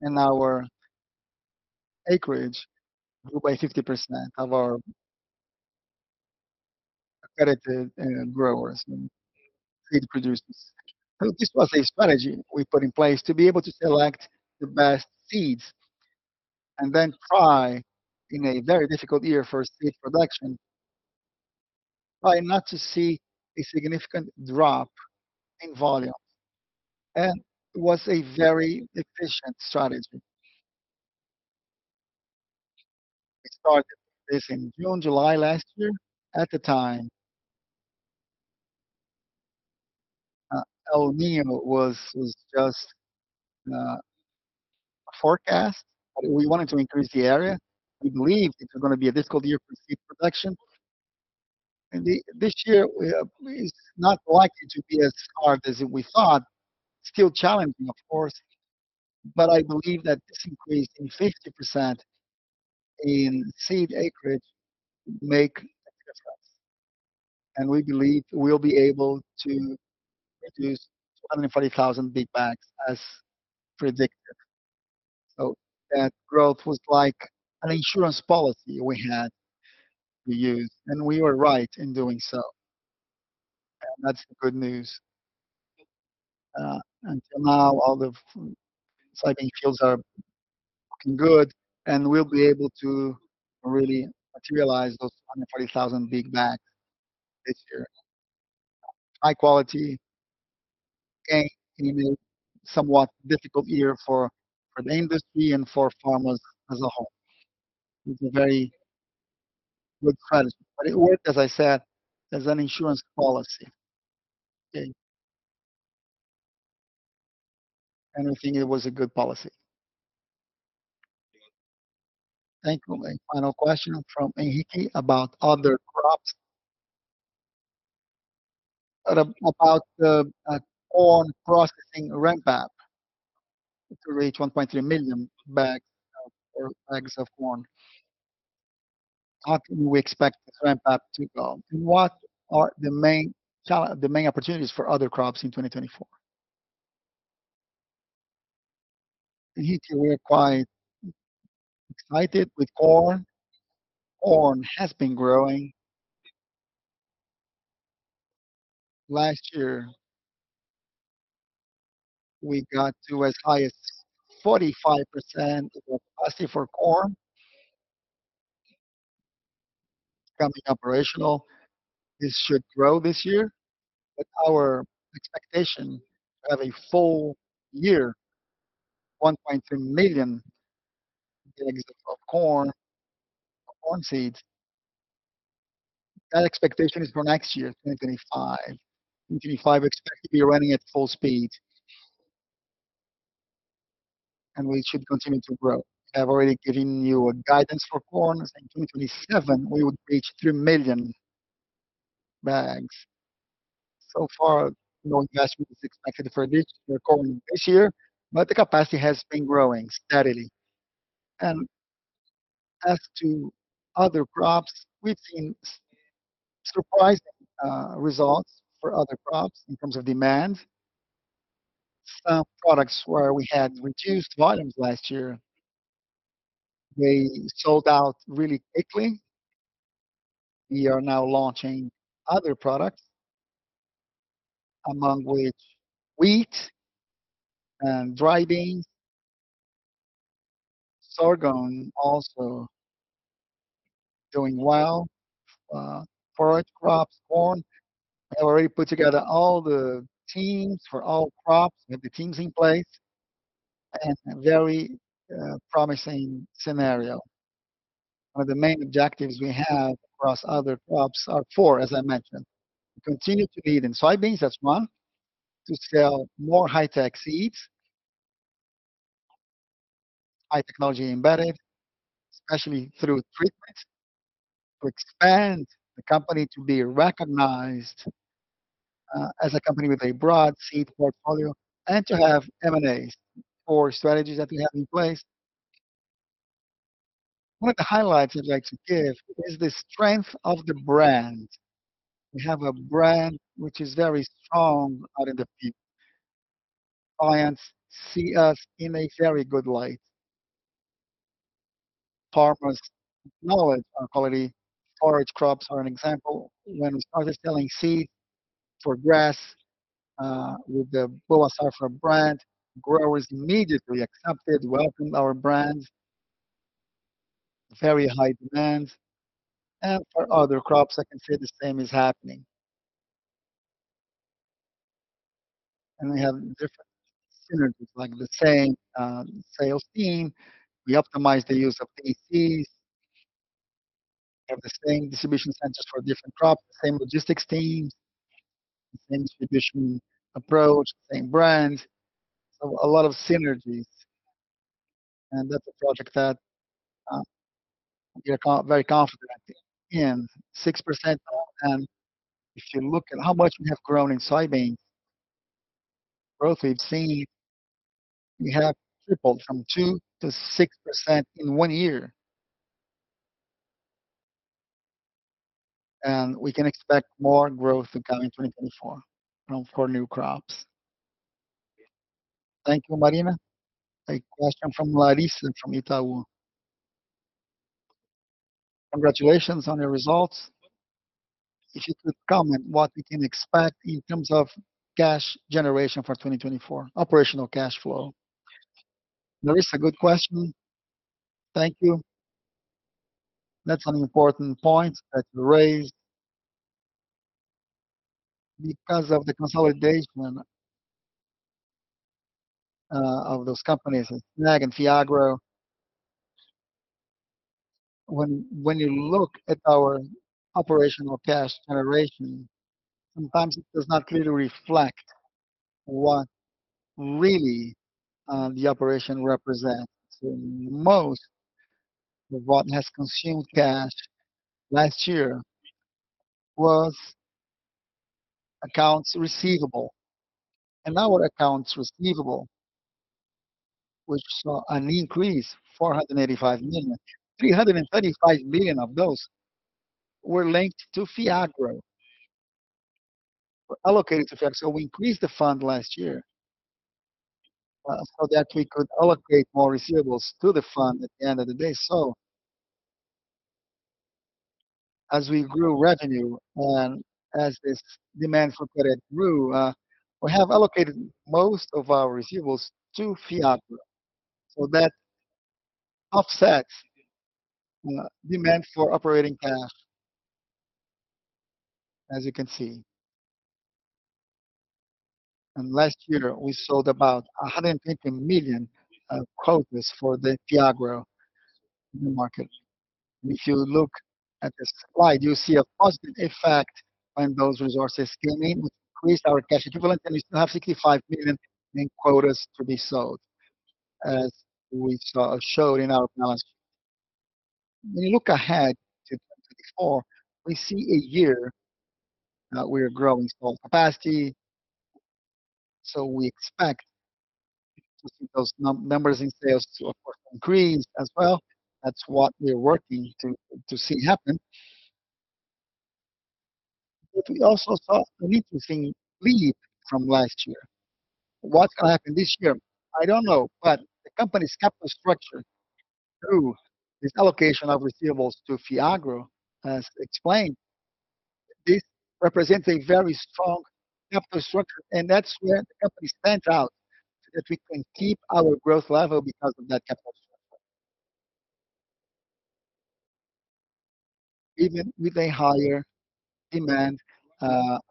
Speaker 2: and our acreage grew by 50% of our accredited growers, seed producers. So this was a strategy we put in place to be able to select the best seeds and then try, in a very difficult year for seed production, try not to see a significant drop in volume. It was a very efficient strategy. We started this in June, July last year. At the time, El Niño was just a forecast, but we wanted to increase the area. We believed it was gonna be a difficult year for seed production. This year, it's not likely to be as hard as we thought, still challenging, of course. I believe that this increase in 50% in seed acreage would make a difference. We believe we'll be able to produce 240,000 big bags as predicted. That growth was like an insurance policy we had to use, and we were right in doing so. That's the good news. Until now, all the soybean fields are looking good, and we'll be able to really materialize those 240,000 big bags this year. High-quality gain in a somewhat difficult year for the industry and for farmers as a whole. It's a very good strategy, but it worked, as I said, as an insurance policy.
Speaker 4: Okay. We think it was a good policy. Thank you. A final question from Henrique about other crops. About the corn processing ramp-up to reach 1.3 million bags of corn. How can we expect this ramp-up to go? And what are the main opportunities for other crops in 2024?
Speaker 2: Henrique, we are quite excited with corn. Corn has been growing. Last year, we got to as high as 45% of capacity for corn. Coming operational, this should grow this year, but our expectation to have a full year, 1.3 million in excess of corn seeds, that expectation is for next year, 2025. 2025, expect to be running at full speed, and we should continue to grow. I have already given you guidance for corn. I said in 2027, we would reach three million bags. So far, no investment is expected for this year or corn this year, but the capacity has been growing steadily. And as to other crops, we've seen surprising results for other crops in terms of demand. Some products where we had reduced volumes last year, they sold out really quickly. We are now launching other products, among which wheat and dry beans, sorghum also doing well. Forage crops, corn, I already put together all the teams for all crops. We have the teams in place and a very promising scenario. One of the main objectives we have across other crops are four, as I mentioned. We continue to need in soybeans, that's one, to sell more high-tech seeds, high-technology embedded, especially through treatments, to expand the company to be recognized as a company with a broad seed portfolio and to have M&As or strategies that we have in place. One of the highlights I'd like to give is the strength of the brand. We have a brand which is very strong out in the field. Clients see us in a very good light. Farmers acknowledge our quality. Forage crops are an example. When we started selling seeds for grass with the Boa Safra brand, growers immediately accepted, welcomed our brand, very high demand. And for other crops, I can say the same is happening. And we have different synergies, like the same sales team. We optimize the use of DCs. We have the same distribution centers for different crops, the same logistics teams, the same distribution approach, same brands. So a lot of synergies. And that's a project that we are very confident in. 6%. And if you look at how much we have grown in soybean growth we've seen, we have tripled from 2%-6% in one year. And we can expect more growth in coming 2024 for new crops.
Speaker 4: Thank you, Marino. A question from Larissa from Itaú. Congratulations on your results. If you could comment what we can expect in terms of cash generation for 2024, operational cash flow.
Speaker 2: Larissa, good question. Thank you. That's an important point that you raised. Because of the consolidation of those companies, SNAG and FIAGRO, when you look at our operational cash generation, sometimes it does not clearly reflect what really the operation represents. Most of what has consumed cash last year was accounts receivable. And our accounts receivable, which saw an increase, 485 million. 335 million of those were linked to FIAGRO, allocated to FIAGRO. So we increased the fund last year so that we could allocate more receivables to the fund at the end of the day. So as we grew revenue and as this demand for credit grew, we have allocated most of our receivables to FIAGRO. So that offsets demand for operating cash, as you can see. Last year, we sold about 120 million quotas for the FIAGRO in the market. If you look at this slide, you'll see a positive effect when those resources came in, which increased our cash equivalent, and we still have 65 million in quotas to be sold, as we showed in our balance sheet. When you look ahead to 2024, we see a year that we are growing full capacity. We expect those numbers in sales to, of course, increase as well. That's what we're working to see happen. We also saw an interesting leap from last year. What's gonna happen this year? I don't know, but the company's capital structure through this allocation of receivables to FIAGRO, as explained, this represents a very strong capital structure, and that's where the company stands out, that we can keep our growth level because of that capital structure, even with a higher demand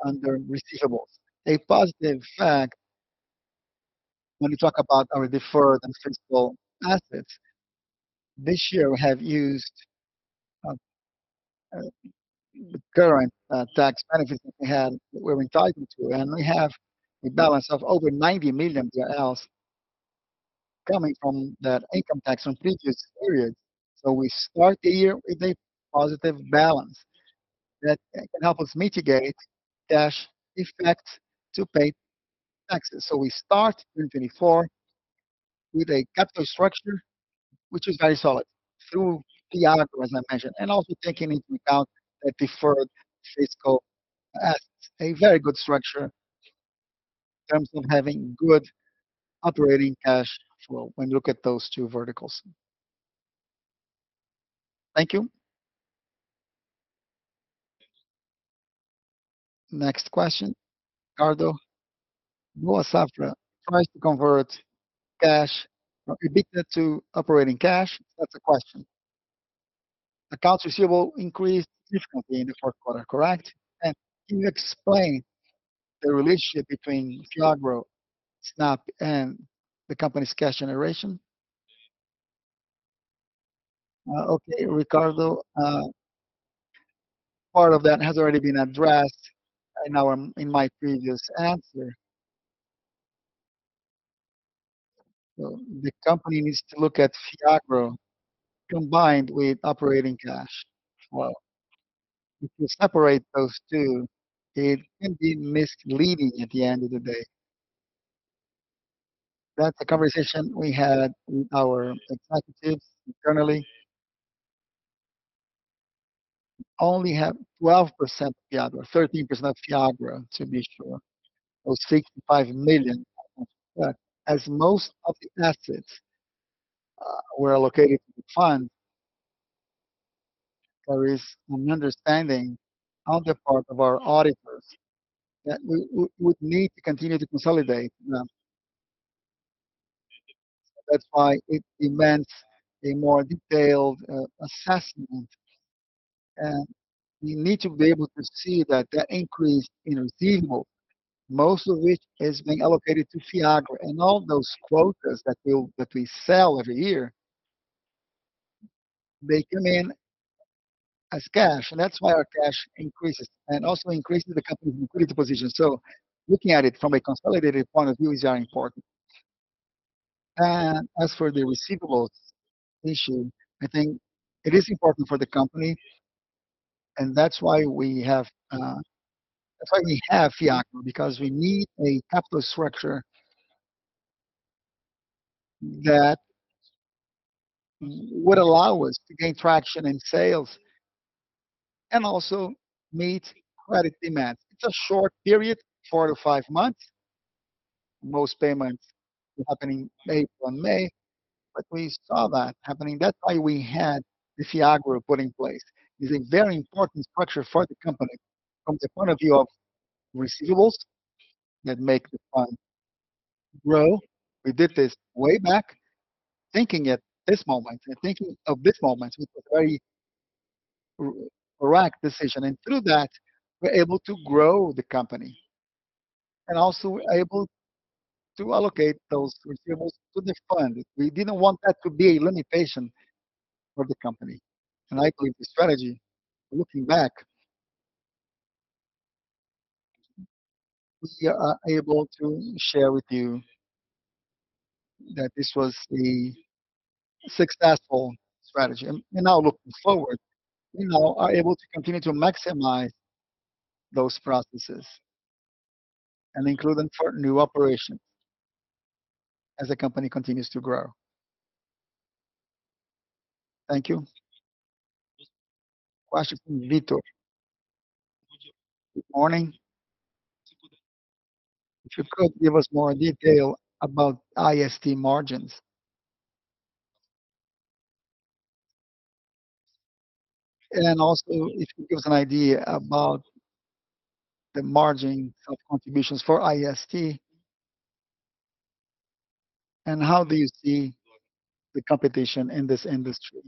Speaker 2: under receivables. A positive fact, when you talk about our deferred and fiscal assets, this year we have used the current tax benefits that we had, that we were entitled to, and we have a balance of over 90 million BRL coming from that income tax from previous periods. So we start the year with a positive balance that can help us mitigate cash effects to pay taxes. So we start 2024 with a capital structure which is very solid through FIAGRO, as I mentioned, and also taking into account that deferred fiscal assets, a very good structure in terms of having good operating cash flow when you look at those two verticals.
Speaker 4: Thank you. Next question, Ricardo. Boa Safra tries to convert cash from EBITDA to operating cash. That's a question. Accounts receivable increased significantly in the fourth quarter, correct? And can you explain the relationship between FIAGRO, SNAG11, and the company's cash generation?
Speaker 2: Okay, Ricardo. Part of that has already been addressed in my previous answer. So the company needs to look at FIAGRO combined with operating cash. Well, if you separate those two, it can be misleading at the end of the day. That's a conversation we had with our executives internally. Only have 12% FIAGRO, 13% of FIAGRO, to be sure. Those 65 million, as most of the assets were allocated to the fund, there is an understanding on the part of our auditors that we would need to continue to consolidate. That's why it demands a more detailed assessment. We need to be able to see that that increase in receivables, most of which is being allocated to FIAGRO, and all those quotas that we sell every year, they come in as cash, and that's why our cash increases and also increases the company's liquidity position. Looking at it from a consolidated point of view is very important. As for the receivables issue, I think it is important for the company, and that's why we have FIAGRO, because we need a capital structure that would allow us to gain traction in sales and also meet credit demands. It's a short period, four-five months. Most payments are happening April and May, but we saw that happening. That's why we had the FIAGRO put in place. It's a very important structure for the company from the point of view of receivables that make the fund grow. We did this way back, thinking at this moment, and thinking of this moment, which was a very correct decision. Through that, we're able to grow the company, and also we're able to allocate those receivables to the fund. We didn't want that to be a limitation for the company. I believe the strategy, looking back, we are able to share with you that this was a successful strategy. Now looking forward, we now are able to continue to maximize those processes and include them for new operations as the company continues to grow.
Speaker 4: Thank you. Question from Vitor. Good morning. If you could give us more detail about IST margins. Also if you give us an idea about the margin of contributions for IST, and how do you see the competition in this industry?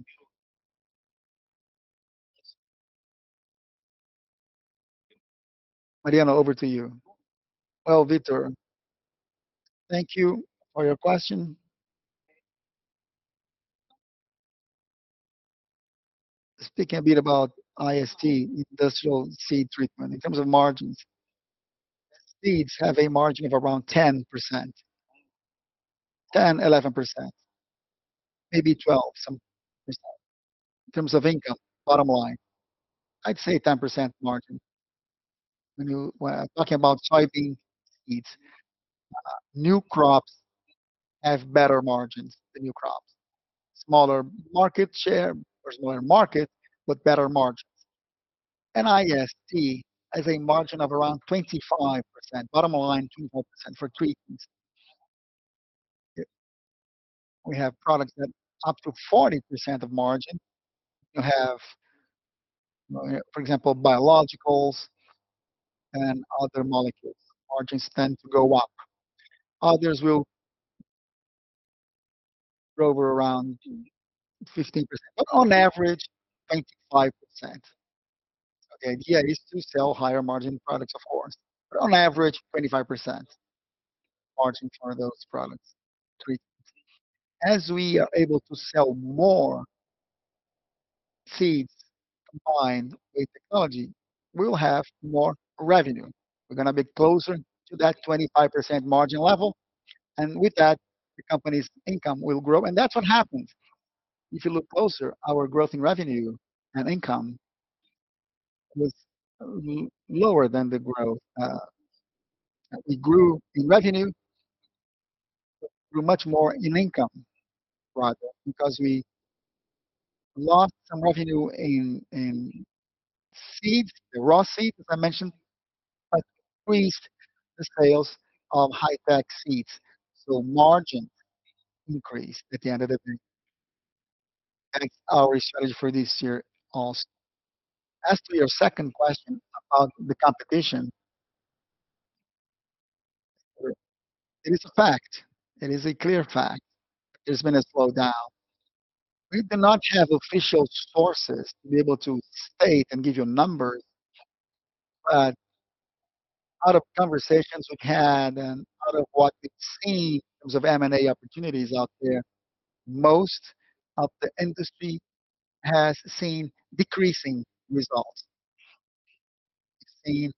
Speaker 2: Marino, over to you. Well, Vitor, thank you for your question. Speaking a bit about IST, industrial seed treatment, in terms of margins, seeds have a margin of around 10%, 10-11%, maybe 12, some percent, in terms of income, bottom line. I'd say 10% margin. When you're talking about soybean seeds, new crops have better margins, the new crops, smaller market share or smaller market, but better margins. IST has a margin of around 25%, bottom line, 25% for treatments. We have products that up to 40% of margin. You have, for example, biologicals and other molecules. Margins tend to go up. Others will hover around 15%, but on average, 25%. So the idea is to sell higher margin products, of course, but on average, 25% margin for those products, treatments. As we are able to sell more seeds combined with technology, we'll have more revenue. We're gonna be closer to that 25% margin level, and with that, the company's income will grow. That's what happens. If you look closer, our growth in revenue and income was lower than the growth. We grew in revenue, but grew much more in income rather because we lost some revenue in seeds, the raw seeds, as I mentioned, but increased the sales of high-tech seeds. So margins increased at the end of the day. That's our strategy for this year also. As to your second question about the competition, it is a fact. It is a clear fact that there's been a slowdown. We do not have official sources to be able to state and give you numbers, but out of conversations we've had and out of what we've seen in terms of M&A opportunities out there, most of the industry has seen decreasing results. We've seen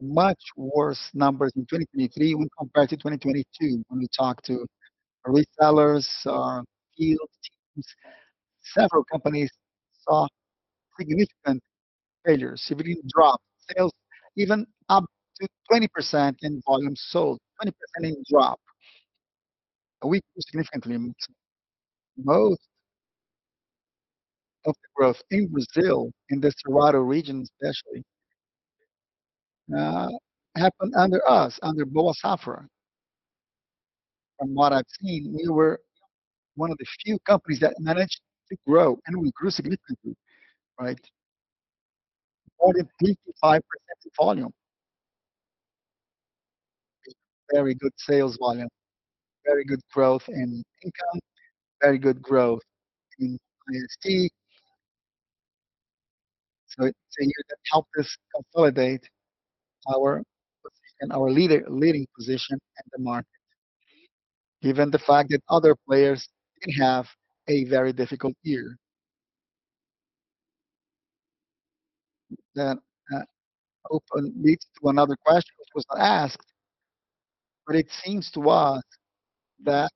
Speaker 2: much worse numbers in 2023 when compared to 2022 when we talked to resellers, field teams. Several companies saw significant failures. Syngenta dropped sales even up to 20% in volume sold, 20% in drop. We grew significantly in most of the growth in Brazil, in the Cerrado region especially, happened under us, under Boa Safra. From what I've seen, we were one of the few companies that managed to grow, and we grew significantly, right? More than 25% in volume. Very good sales volume, very good growth in income, very good growth in IST. So it's a year that helped us consolidate our position, our leading position in the market, given the fact that other players didn't have a very difficult year. That open leads to another question which was not asked, but it seems to us that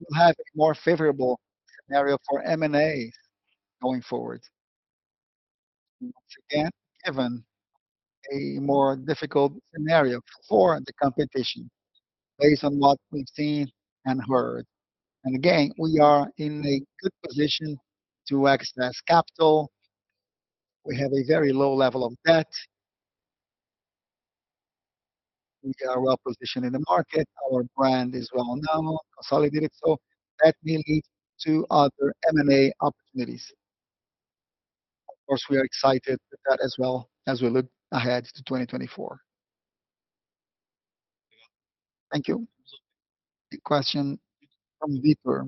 Speaker 2: we'll have a more favorable scenario for M&As going forward, once again, given a more difficult scenario for the competition based on what we've seen and heard. Again, we are in a good position to access capital. We have a very low level of debt. We are well positioned in the market. Our brand is well known, consolidated, so that may lead to other M&A opportunities. Of course, we are excited with that as well as we look ahead to 2024.
Speaker 4: Thank you. Question from Vitor,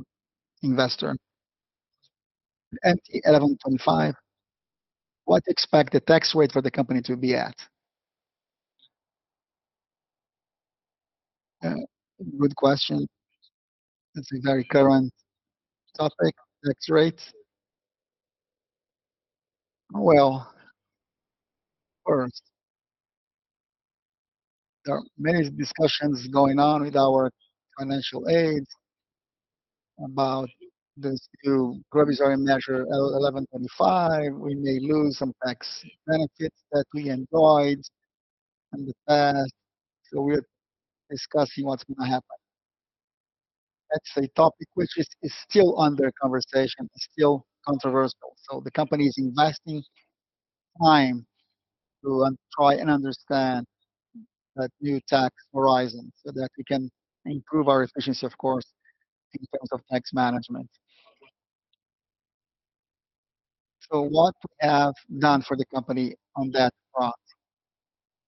Speaker 4: investor. MP 1185, what expect the tax rate for the company to be at?
Speaker 2: Good question. That's a very current topic, tax rate. Well, first, there are many discussions going on with our financial advisors about this new revisory measure L1125. We may lose some tax benefits that we enjoyed in the past, so we're discussing what's gonna happen. That's a topic which is still under conversation, is still controversial. So the company's investing time to try and understand that new tax horizon so that we can improve our efficiency, of course, in terms of tax management. So what we have done for the company on that front,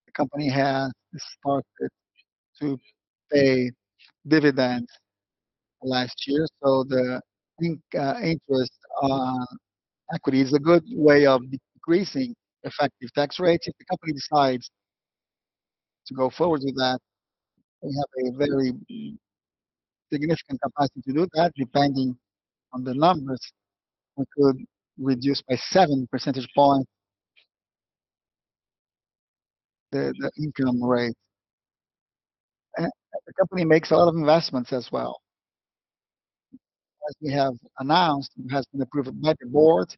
Speaker 2: the company has started to pay dividends last year, so the interest on equity is a good way of decreasing effective tax rates. If the company decides to go forward with that, we have a very significant capacity to do that. Depending on the numbers, we could reduce by seven percentage points the income rate. The company makes a lot of investments as well. As we have announced, it has been approved by the board.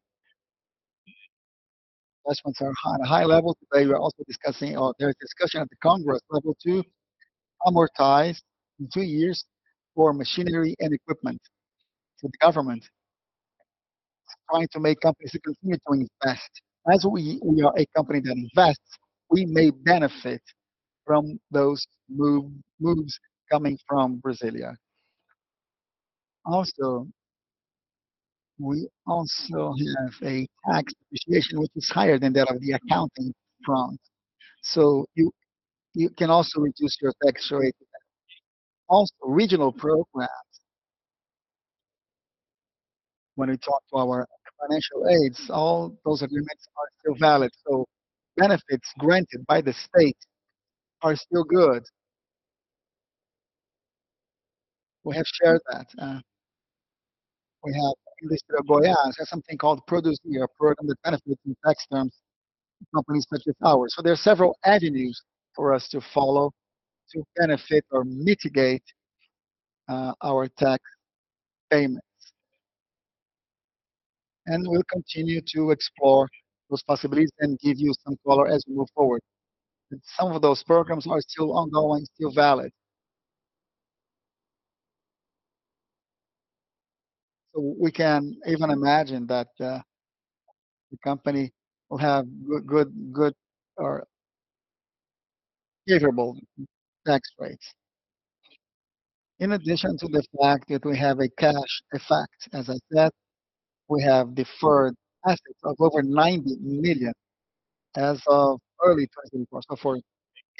Speaker 2: Investments are on a high level today. We're also discussing, or there's discussion at the Congress level too, amortize in two years for machinery and equipment for the government, trying to make companies to continue to invest. As we are a company that invests, we may benefit from those moves coming from Brasília. Also, we also have a tax depreciation which is higher than that of the accounting front, so you can also reduce your tax rate. Also, regional programs, when we talk to our financial advisors, all those agreements are still valid, so benefits granted by the state are still good. We have shared that. We have Indústria Goiás, has something called Produzir, a program that benefits in tax terms companies such as ours. So there are several avenues for us to follow to benefit or mitigate our tax payments. And we'll continue to explore those possibilities and give you some color as we move forward. And some of those programs are still ongoing, still valid. So we can even imagine that the company will have good, good, good or favorable tax rates. In addition to the fact that we have a cash effect, as I said, we have deferred assets of over 90 million as of early 2024. So for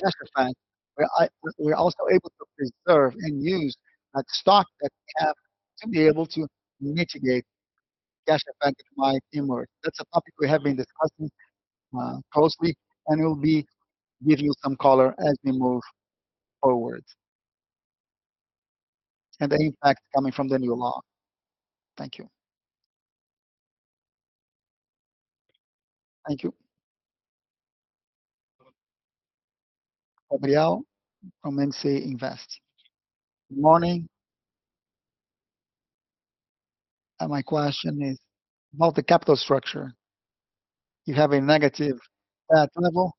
Speaker 2: cash effect, we're also able to preserve and use that stock that we have to be able to mitigate cash effect that might emerge. That's a topic we have been discussing closely, and it'll be giving you some color as we move forward. And the impact coming from the new law. Thank you.
Speaker 4: Thank you. Gabriel from MC Invest. Good morning. And my question is about the capital structure. You have a negative debt level.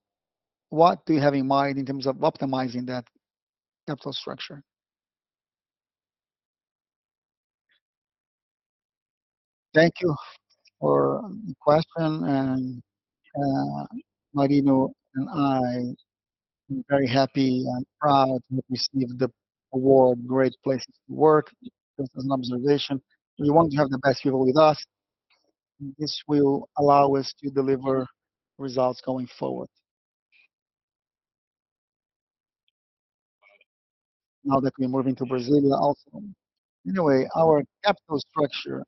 Speaker 4: What do you have in mind in terms of optimizing that capital structure?
Speaker 3: Thank you for the question, and Marino and I are very happy and proud to have received the award, Great Place to Work, just as an observation. We want to have the best people with us. This will allow us to deliver results going forward. Now that we're moving to Brasília also. Anyway, our capital structure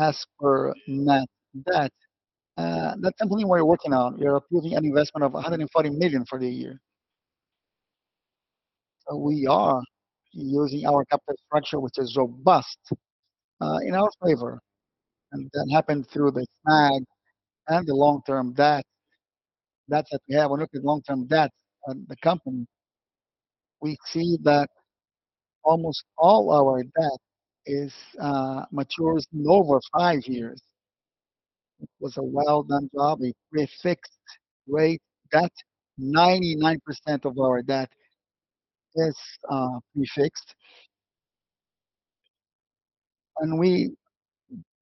Speaker 3: as per net debt, that company we're working on, we are approving an investment of 140 million for the year. So we are using our capital structure, which is robust, in our favor. And that happened through the SNAG and the long-term debt. That's what we have. When we look at long-term debt at the company, we see that almost all our debt matures in over five years. It was a well-done job. We fixed rate debt. 99% of our debt is prefixed. And we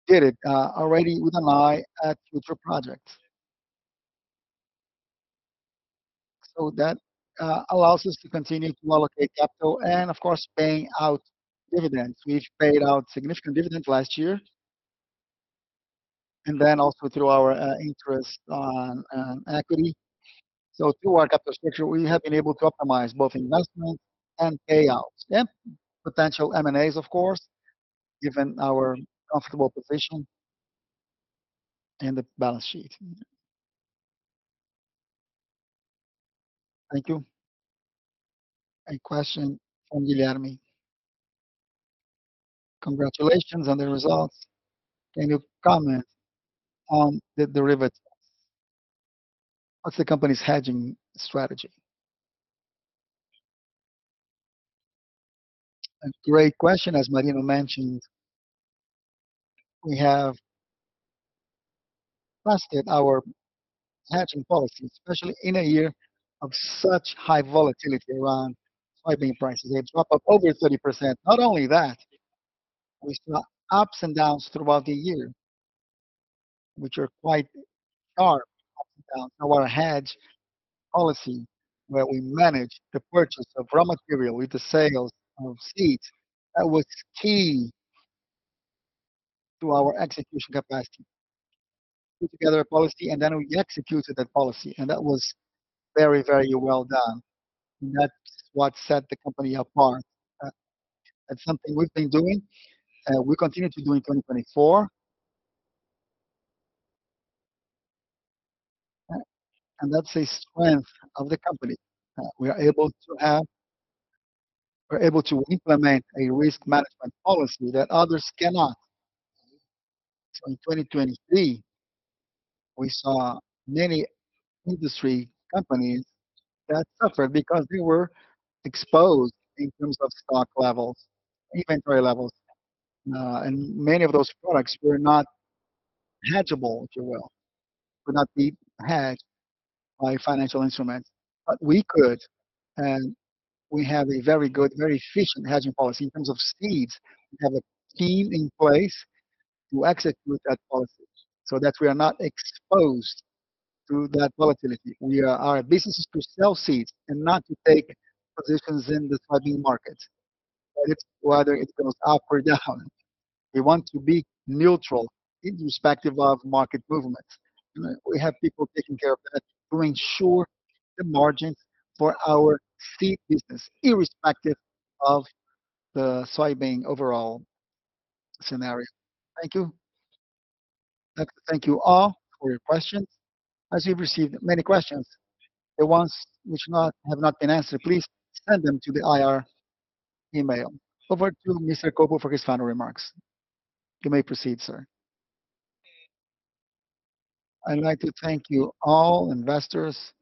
Speaker 3: did it already with an eye at future projects. So that allows us to continue to allocate capital and, of course, paying out dividends. We've paid out significant dividends last year. And then also through our interest on equity. So through our capital structure, we have been able to optimize both investments and payouts, yep, potential M&As, of course, given our comfortable position in the balance sheet.
Speaker 4: Thank you. A question from Guilherme. Congratulations on the results. Can you comment on the derivatives? What's the company's hedging strategy?
Speaker 3: A great question. As Marino mentioned, we have trusted our hedging policy, especially in a year of such high volatility around soybean prices. They dropped up over 30%. Not only that, we saw ups and downs throughout the year, which are quite sharp ups and downs. So our hedge policy, where we manage the purchase of raw material with the sales of seeds, that was key to our execution capacity. Put together a policy, and then we executed that policy, and that was very, very well done. And that's what set the company apart. That's something we've been doing. We continue to do in 2024. And that's a strength of the company. We're able to implement a risk management policy that others cannot. So in 2023, we saw many industry companies that suffered because they were exposed in terms of stock levels, inventory levels, and many of those products were not hedgable, if you will. Could not be hedged by financial instruments. But we could, and we have a very good, very efficient hedging policy in terms of seeds. We have a team in place to execute that policy so that we are not exposed to that volatility. Our business is to sell seeds and not to take positions in the soybean market, whether it goes up or down. We want to be neutral irrespective of market movements. And we have people taking care of that, to ensure the margins for our seed business irrespective of the soybean overall scenario. Thank you.
Speaker 4: Thank you all for your questions. As we've received many questions, the ones which have not been answered, please send them to the IR email. Over to Mr. Colpo for his final remarks. You may proceed, sir.
Speaker 2: I'd like to thank you all investors.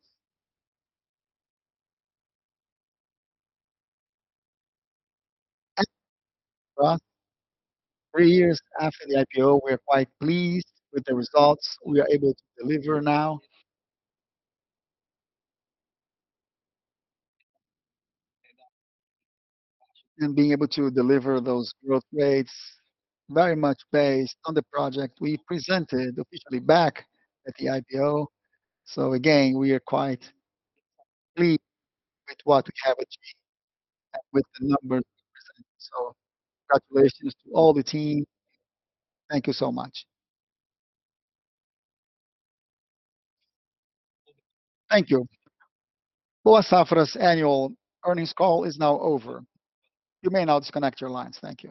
Speaker 2: Three years after the IPO, we are quite pleased with the results we are able to deliver now and being able to deliver those growth rates very much based on the project we presented officially back at the IPO. So again, we are quite pleased with what we have achieved and with the numbers we presented. So congratulations to all the team. Thank you so much.
Speaker 4: Thank you. Boa Safra's annual earnings call is now over. You may now disconnect your lines. Thank you.